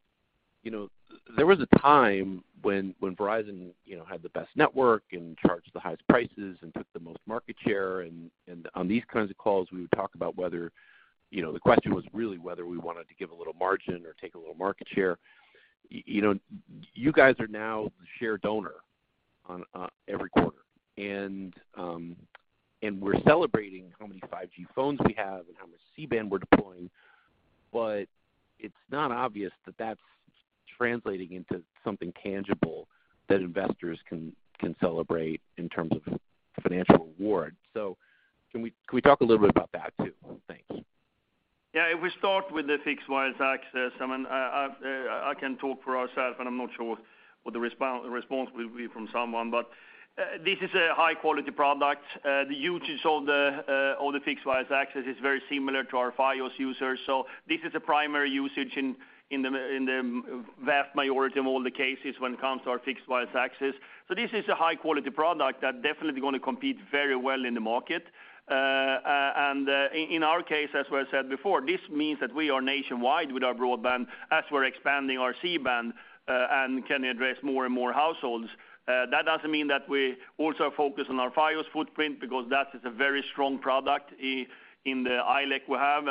you know, there was a time when Verizon, you know, had the best network and charged the highest prices and took the most market share, and on these kinds of calls, we would talk about whether, you know, the question was really whether we wanted to give a little margin or take a little market share. You know, you guys are now the share donor on every quarter. We're celebrating how many 5G phones we have and how much C-band we're deploying, but it's not obvious that that's translating into something tangible that investors can celebrate in terms of financial reward. Can we talk a little bit about that too? Thanks. Yeah. If we start with the fixed wireless access, I mean, I can talk for ourselves, and I'm not sure what the response will be from someone, but this is a high quality product. The usage of the fixed wireless access is very similar to our Fios users. This is a primary usage in the vast majority of all the cases when it comes to our fixed wireless access. This is a high quality product that definitely gonna compete very well in the market. In our case, as was said before, this means that we are nationwide with our broadband as we're expanding our C-Band and can address more and more households. That doesn't mean that we also focus on our Fios footprint because that is a very strong product in the ILEC we have.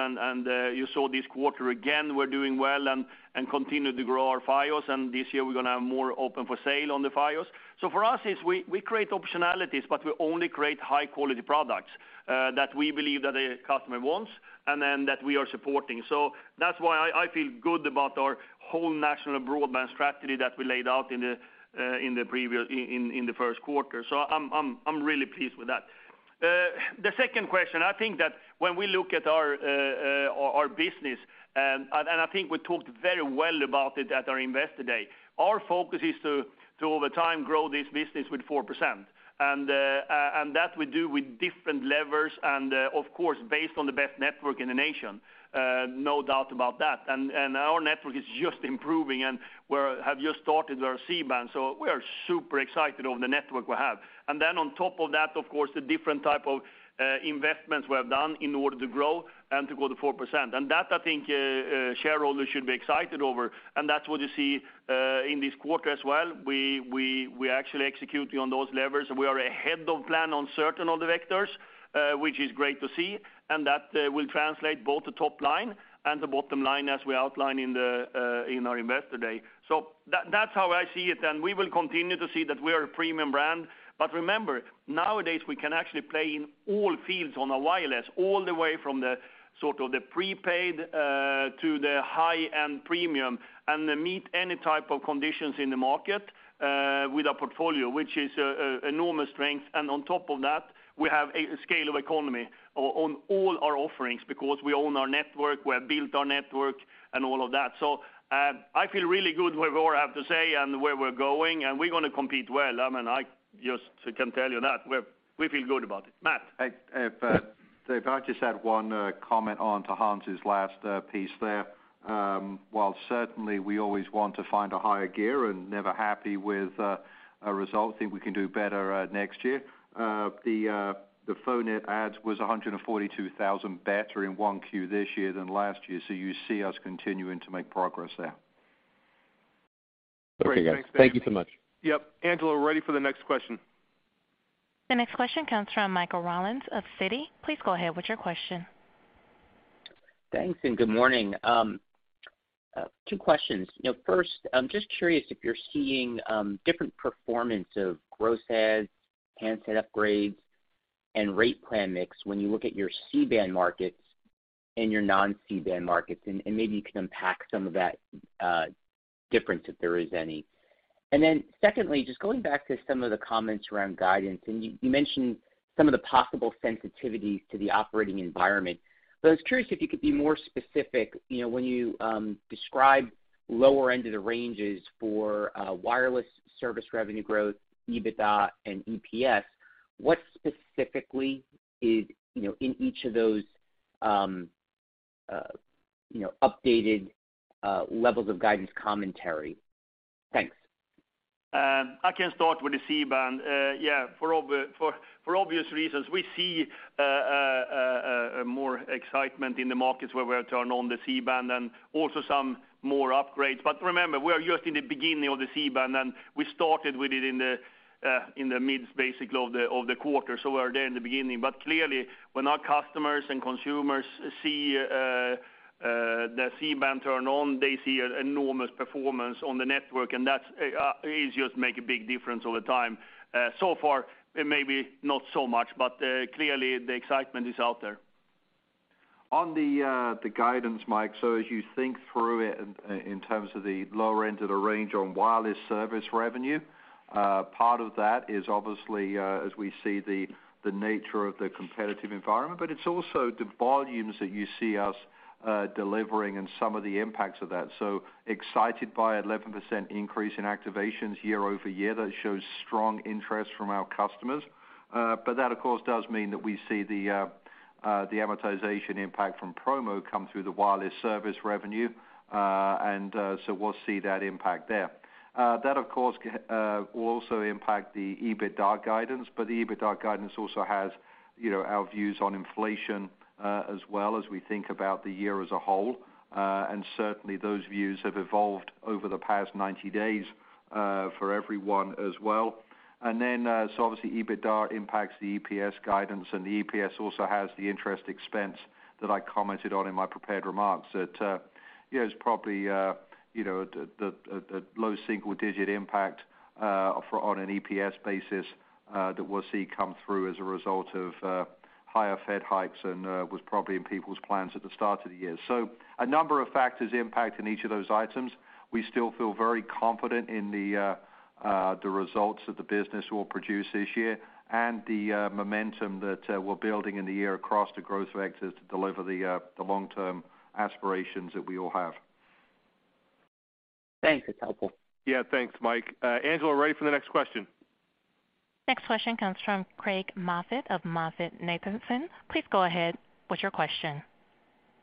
You saw this quarter, again, we're doing well and continue to grow our Fios, and this year we're gonna have more open for sale on the Fios. For us, it's we create optionalities, but we only create high quality products that we believe that a customer wants and then that we are supporting. That's why I feel good about our whole national broadband strategy that we laid out in the first quarter. I'm really pleased with that. The second question, I think that when we look at our business, I think we talked very well about it at our Investor day, our focus is to over time grow this business with 4%. That we do with different levers and, of course, based on the best network in the nation. No doubt about that. Our network is just improving, and we have just started our C-Band, so we are super excited over the network we have. Then on top of that, of course, the different type of investments we have done in order to grow and to go to 4%. That, I think, shareholders should be excited over, and that's what you see in this quarter as well. We actually execute on those levers. We are ahead of plan on certain of the vectors, which is great to see, and that will translate both the top line and the bottom line as we outline in our Investor day. That's how I see it, and we will continue to see that we are a premium brand. Remember, nowadays we can actually play in all fields of wireless, all the way from sort of the prepaid to the high-end premium and meet any type of conditions in the market with our portfolio, which is enormous strength. On top of that, we have economies of scale on all our offerings because we own our network, we have built our network and all of that. I feel really good with what I have to say and where we're going, and we're gonna compete well. I mean, I just can tell you that. We feel good about it. Matt? Hey, David, I just had one comment on Hans' last piece there. While certainly we always want to find a higher gear and never happy with a result. Think we can do better next year. The phone net adds was 142,000 better in Q1 this year than last year. You see us continuing to make progress there. Great. Thanks, David. Okay, guys. Thank you so much. Yep. Angela, we're ready for the next question. The next question comes from Michael Rollins of Citi. Please go ahead with your question. Thanks and good morning. Two questions. You know, first, I'm just curious if you're seeing different performance of gross adds, handset upgrades, and rate plan mix when you look at your C-Band markets and your non-C-Band markets, and maybe you can unpack some of that difference if there is any. Then secondly, just going back to some of the comments around guidance, and you mentioned some of the possible sensitivities to the operating environment. But I was curious if you could be more specific, you know, when you describe lower end of the ranges for wireless service revenue growth, EBITDA and EPS, what specifically is, you know, in each of those updated levels of guidance commentary? Thanks. I can start with the C-Band. Yeah, for obvious reasons, we see more excitement in the markets where we've turned on the C-Band and also some more upgrades. Remember, we are just in the beginning of the C-Band, and we started with it in the midst, basically, of the quarter. We're there in the beginning. Clearly, when our customers and consumers see the C-Band turn on, they see enormous performance on the network, and that just makes a big difference over time. So far, maybe not so much, but clearly the excitement is out there. On the guidance, Mike. As you think through it in terms of the lower end of the range on wireless service revenue, part of that is obviously as we see the nature of the competitive environment, but it's also the volumes that you see us delivering and some of the impacts of that. Excited by 11% increase in activations year-over-year. That shows strong interest from our customers. But that of course does mean that we see the amortization impact from promo come through the wireless service revenue, and so we'll see that impact there. That of course will also impact the EBITDA guidance, but the EBITDA guidance also has our views on inflation as well as we think about the year as a whole. Certainly those views have evolved over the past 90 days for everyone as well. Obviously EBITDA impacts the EPS guidance, and the EPS also has the interest expense that I commented on in my prepared remarks that, you know, is probably, you know, the low single digit impact on an EPS basis that we'll see come through as a result of higher Fed hikes and was probably in people's plans at the start of the year. A number of factors impact in each of those items. We still feel very confident in the results that the business will produce this year and the momentum that we're building in the year across the growth vectors to deliver the long-term aspirations that we all have. Thanks. It's helpful. Yeah. Thanks, Mike. Angela, ready for the next question. Next question comes from Craig Moffett of MoffettNathanson. Please go ahead with your question.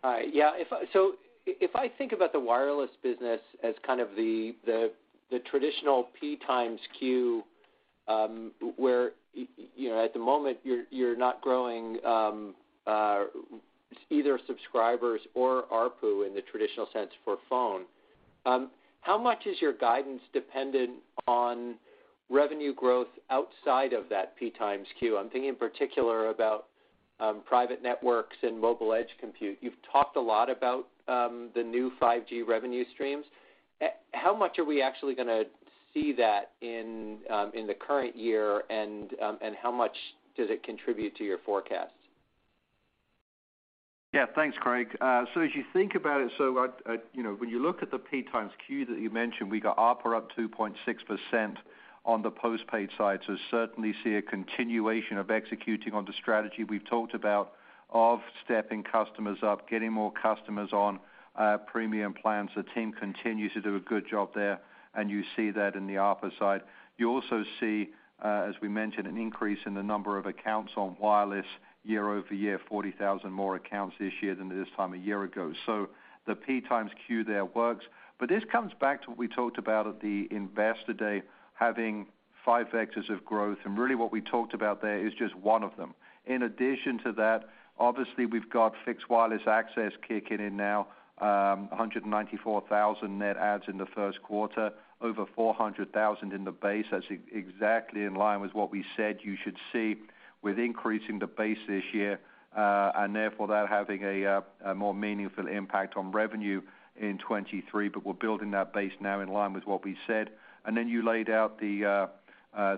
If I think about the wireless business as kind of the traditional P times Q, where you know, at the moment, you're not growing either subscribers or ARPU in the traditional sense for phone, how much is your guidance dependent on revenue growth outside of that P times Q? I'm thinking in particular about private networks and mobile edge compute. You've talked a lot about the new 5G revenue streams. How much are we actually gonna see that in the current year and how much does it contribute to your forecast? Yeah. Thanks, Craig. As you think about it, I you know, when you look at the P times Q that you mentioned, we got ARPU up 2.6% on the postpaid side. Certainly see a continuation of executing on the strategy we've talked about of stepping customers up, getting more customers on premium plans. The team continues to do a good job there, and you see that in the ARPU side. You also see, as we mentioned, an increase in the number of accounts on wireless year-over-year, 40,000 more accounts this year than this time a year ago. The P times Q there works. This comes back to what we talked about at the Investor Day, having five vectors of growth, and really what we talked about there is just one of them. In addition to that, obviously we've got fixed wireless access kicking in now, 194,000 net adds in the first quarter, over 400,000 in the base. That's exactly in line with what we said you should see with increasing the base this year, and therefore that having a more meaningful impact on revenue in 2023. We're building that base now in line with what we said. Then you laid out the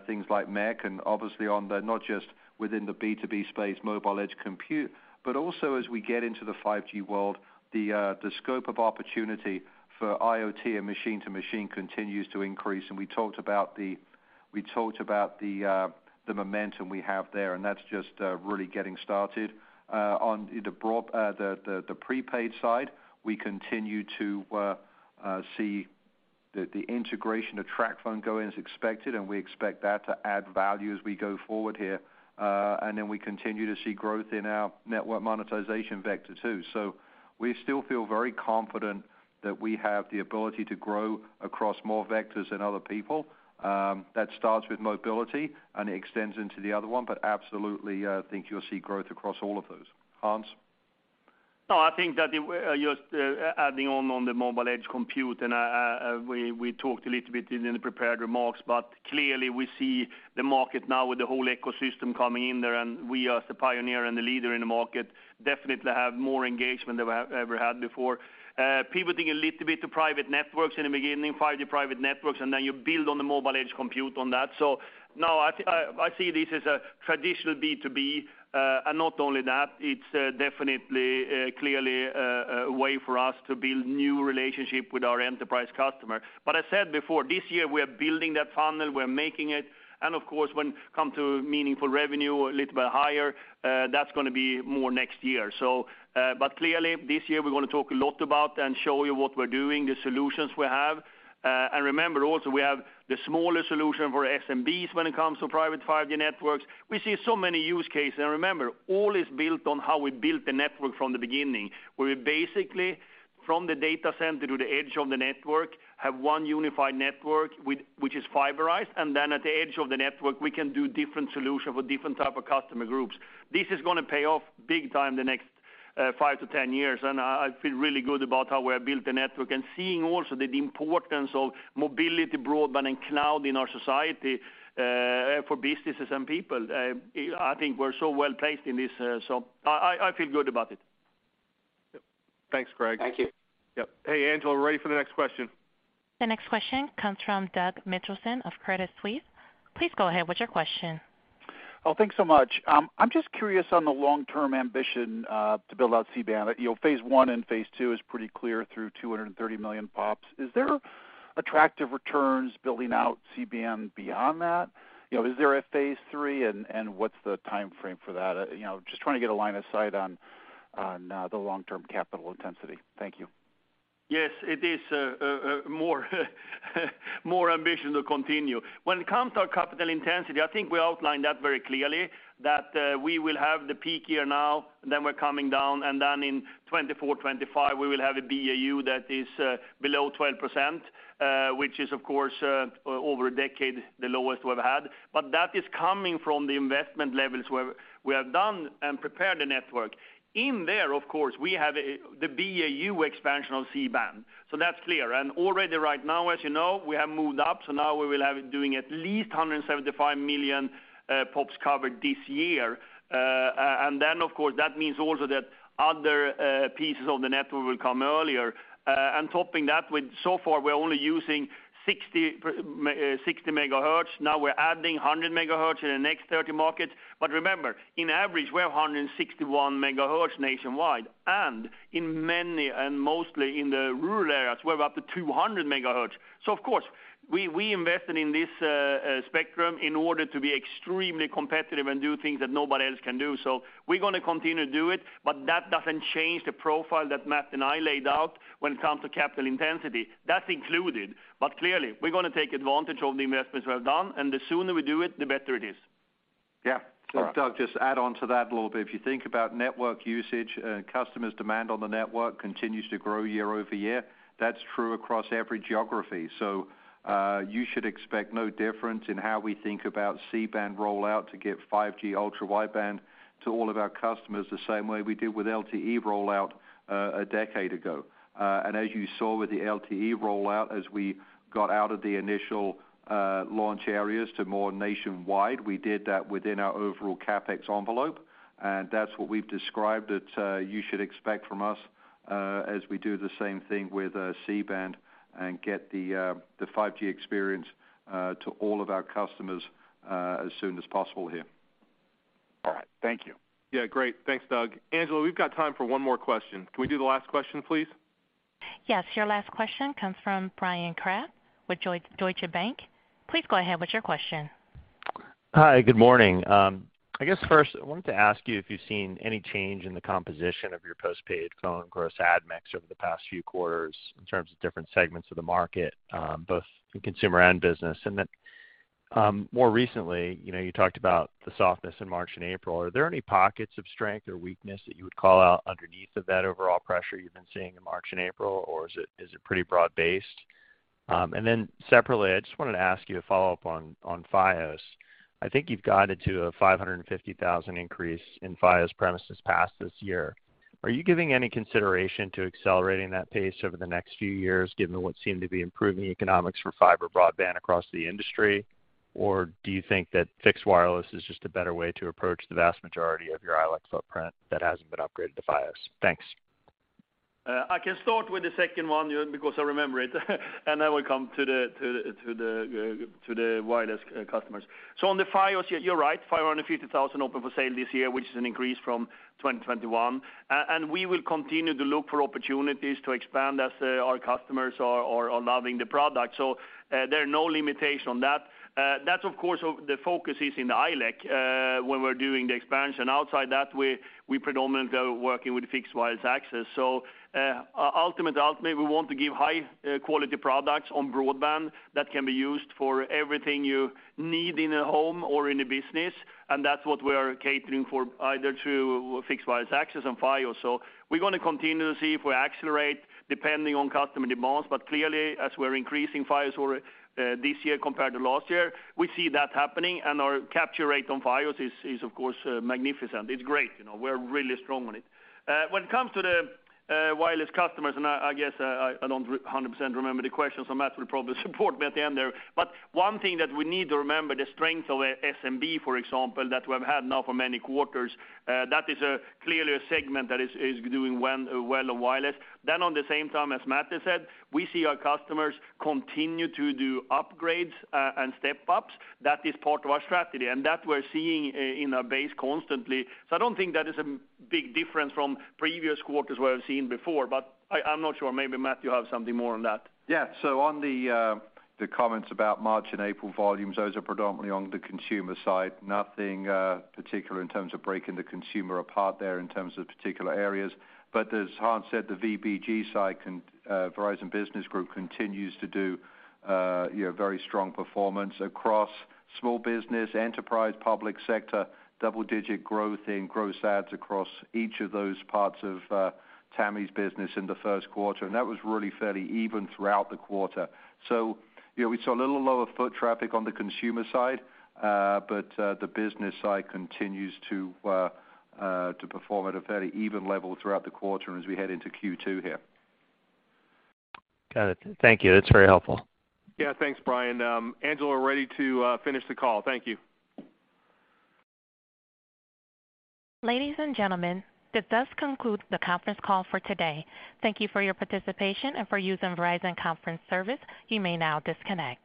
things like MEC and obviously on the, not just within the B2B space, mobile edge compute, but also as we get into the 5G world, the scope of opportunity for IoT and machine-to-machine continues to increase. We talked about the momentum we have there, and that's just really getting started. On the prepaid side, we continue to see the integration of TracFone going as expected, and we expect that to add value as we go forward here. We continue to see growth in our network monetization vector too. We still feel very confident that we have the ability to grow across more vectors than other people. That starts with mobility and extends into the other one. Absolutely, think you'll see growth across all of those. Hans? No, I think that just adding on to the mobile edge compute, and we talked a little bit in the prepared remarks, but clearly we see the market now with the whole ecosystem coming in there, and we as the pioneer and the leader in the market definitely have more engagement than we have ever had before. Pivoting a little bit to private networks in the beginning, 5G private networks, and then you build on the mobile edge compute on that. No, I see this as a traditional B2B. Not only that, it's definitely clearly a way for us to build new relationship with our enterprise customer. I said before, this year we are building that funnel, we're making it, and of course, when it come to meaningful revenue a little bit higher, that's gonna be more next year. Clearly this year we wanna talk a lot about and show you what we're doing, the solutions we have. Remember also we have the smallest solution for SMBs when it comes to private 5G networks. We see so many use cases. Remember, all is built on how we built the network from the beginning, where we basically from the data center to the edge of the network, have one unified network which is fiberized, and then at the edge of the network, we can do different solution for different type of customer groups. This is gonna pay off big time the next five-10 years, and I feel really good about how we have built the network and seeing also the importance of mobility, broadband, and cloud in our society for businesses and people. I think we're so well-placed in this. I feel good about it. Yep. Thanks, Craig. Thank you. Yep. Hey, Angela, we're ready for the next question. The next question comes from Douglas Mitchelson of Credit Suisse. Please go ahead with your question. Oh, thanks so much. I'm just curious on the long-term ambition to build out C-Band. You know, phase one and phase two is pretty clear through 230 million pops. Is there attractive returns building out C-Band beyond that? You know, is there a phase three, and what's the timeframe for that? You know, just trying to get a line of sight on the long-term capital intensity. Thank you. Yes, it is more ambition to continue. When it comes to our capital intensity, I think we outlined that very clearly, that we will have the peak year now, then we're coming down, and then in 2024, 2025, we will have a BAU that is below 12%, which is of course over a decade, the lowest we've had. But that is coming from the investment levels where we have done and prepared the network. In there, of course, we have the BAU expansion of C-Band, so that's clear. Already right now, as you know, we have moved up, so now we will have it doing at least 175 million pops covered this year. Of course, that means also that other pieces of the network will come earlier. Topping that with so far we're only using 60 MHz, now we're adding 100 MHz in the next 30 markets. Remember, on average, we have 161 MHz nationwide, and in many, and mostly in the rural areas, we have up to 200 MHz. Of course, we invested in this spectrum in order to be extremely competitive and do things that nobody else can do. We're gonna continue to do it, but that doesn't change the profile that Matt and I laid out when it comes to capital intensity. That's included. Clearly, we're gonna take advantage of the investments we have done, and the sooner we do it, the better it is. Yeah. All right. Doug, just add on to that a little bit. If you think about network usage, customers' demand on the network continues to grow year-over-year. That's true across every geography. You should expect no difference in how we think about C-Band rollout to give 5G Ultra Wideband to all of our customers the same way we did with LTE rollout, a decade ago. As you saw with the LTE rollout, as we got out of the initial launch areas to more nationwide, we did that within our overall CapEx envelope, and that's what we've described that you should expect from us, as we do the same thing with C-Band and get the 5G experience to all of our customers as soon as possible here. All right. Thank you. Yeah, great. Thanks, Doug. Angela, we've got time for one more question. Can we do the last question, please? Yes. Your last question comes from Bryan Kraft with Deutsche Bank. Please go ahead with your question. Hi, good morning. I guess first I wanted to ask you if you've seen any change in the composition of your postpaid phone gross add mix over the past few quarters in terms of different segments of the market, both in consumer and business? More recently, you know, you talked about the softness in March and April. Are there any pockets of strength or weakness that you would call out underneath of that overall pressure you've been seeing in March and April, or is it pretty broad based? Separately, I just wanted to ask you a follow-up on Fios. I think you've guided to a 550,000 increase in Fios premises passed this year. Are you giving any consideration to accelerating that pace over the next few years given what seem to be improving economics for fiber broadband across the industry? Or do you think that fixed wireless is just a better way to approach the vast majority of your ILEC footprint that hasn't been upgraded to Fios? Thanks. I can start with the second one, you know, because I remember it and then we come to the wireless customers. On the Fios, you're right, 550,000 open for sale this year, which is an increase from 2021. We will continue to look for opportunities to expand as our customers are loving the product. There are no limitations on that. That, of course, the focus is in the ILEC when we're doing the expansion. Outside that, we predominantly are working with fixed wireless access. Ultimately, we want to give high quality products on broadband that can be used for everything you need in a home or in a business, and that's what we are catering for either to fixed wireless access and Fios. We're gonna continue to see if we accelerate depending on customer demands, but clearly as we're increasing Fios orders this year compared to last year, we see that happening and our capture rate on Fios is of course magnificent. It's great, you know, we're really strong on it. When it comes to the wireless customers, I guess I don't 100% remember the question, so Matt will probably support me at the end there. One thing that we need to remember, the strength of SMB, for example, that we've had now for many quarters, that is clearly a segment that is doing well on wireless. At the same time, as Matt has said, we see our customers continue to do upgrades and step-ups. That is part of our strategy, and that we're seeing in our base constantly. I don't think that is a big difference from previous quarters we have seen before, but I'm not sure. Maybe Matt, you have something more on that. Yeah. On the comments about March and April volumes, those are predominantly on the consumer side. Nothing particular in terms of breaking the consumer apart there in terms of particular areas. As Hans said, the VBG side, Verizon Business Group continues to do, you know, very strong performance across small business, enterprise, public sector, double-digit growth in gross adds across each of those parts of Tami's business in the first quarter, and that was really fairly even throughout the quarter. You know, we saw a little lower foot traffic on the consumer side, but the business side continues to perform at a fairly even level throughout the quarter and as we head into Q2 here. Got it. Thank you. That's very helpful. Yeah, thanks, Brian. Angela, we're ready to finish the call. Thank you. Ladies and gentlemen, that does conclude the conference call for today. Thank you for your participation and for using Verizon Conference Service. You may now disconnect.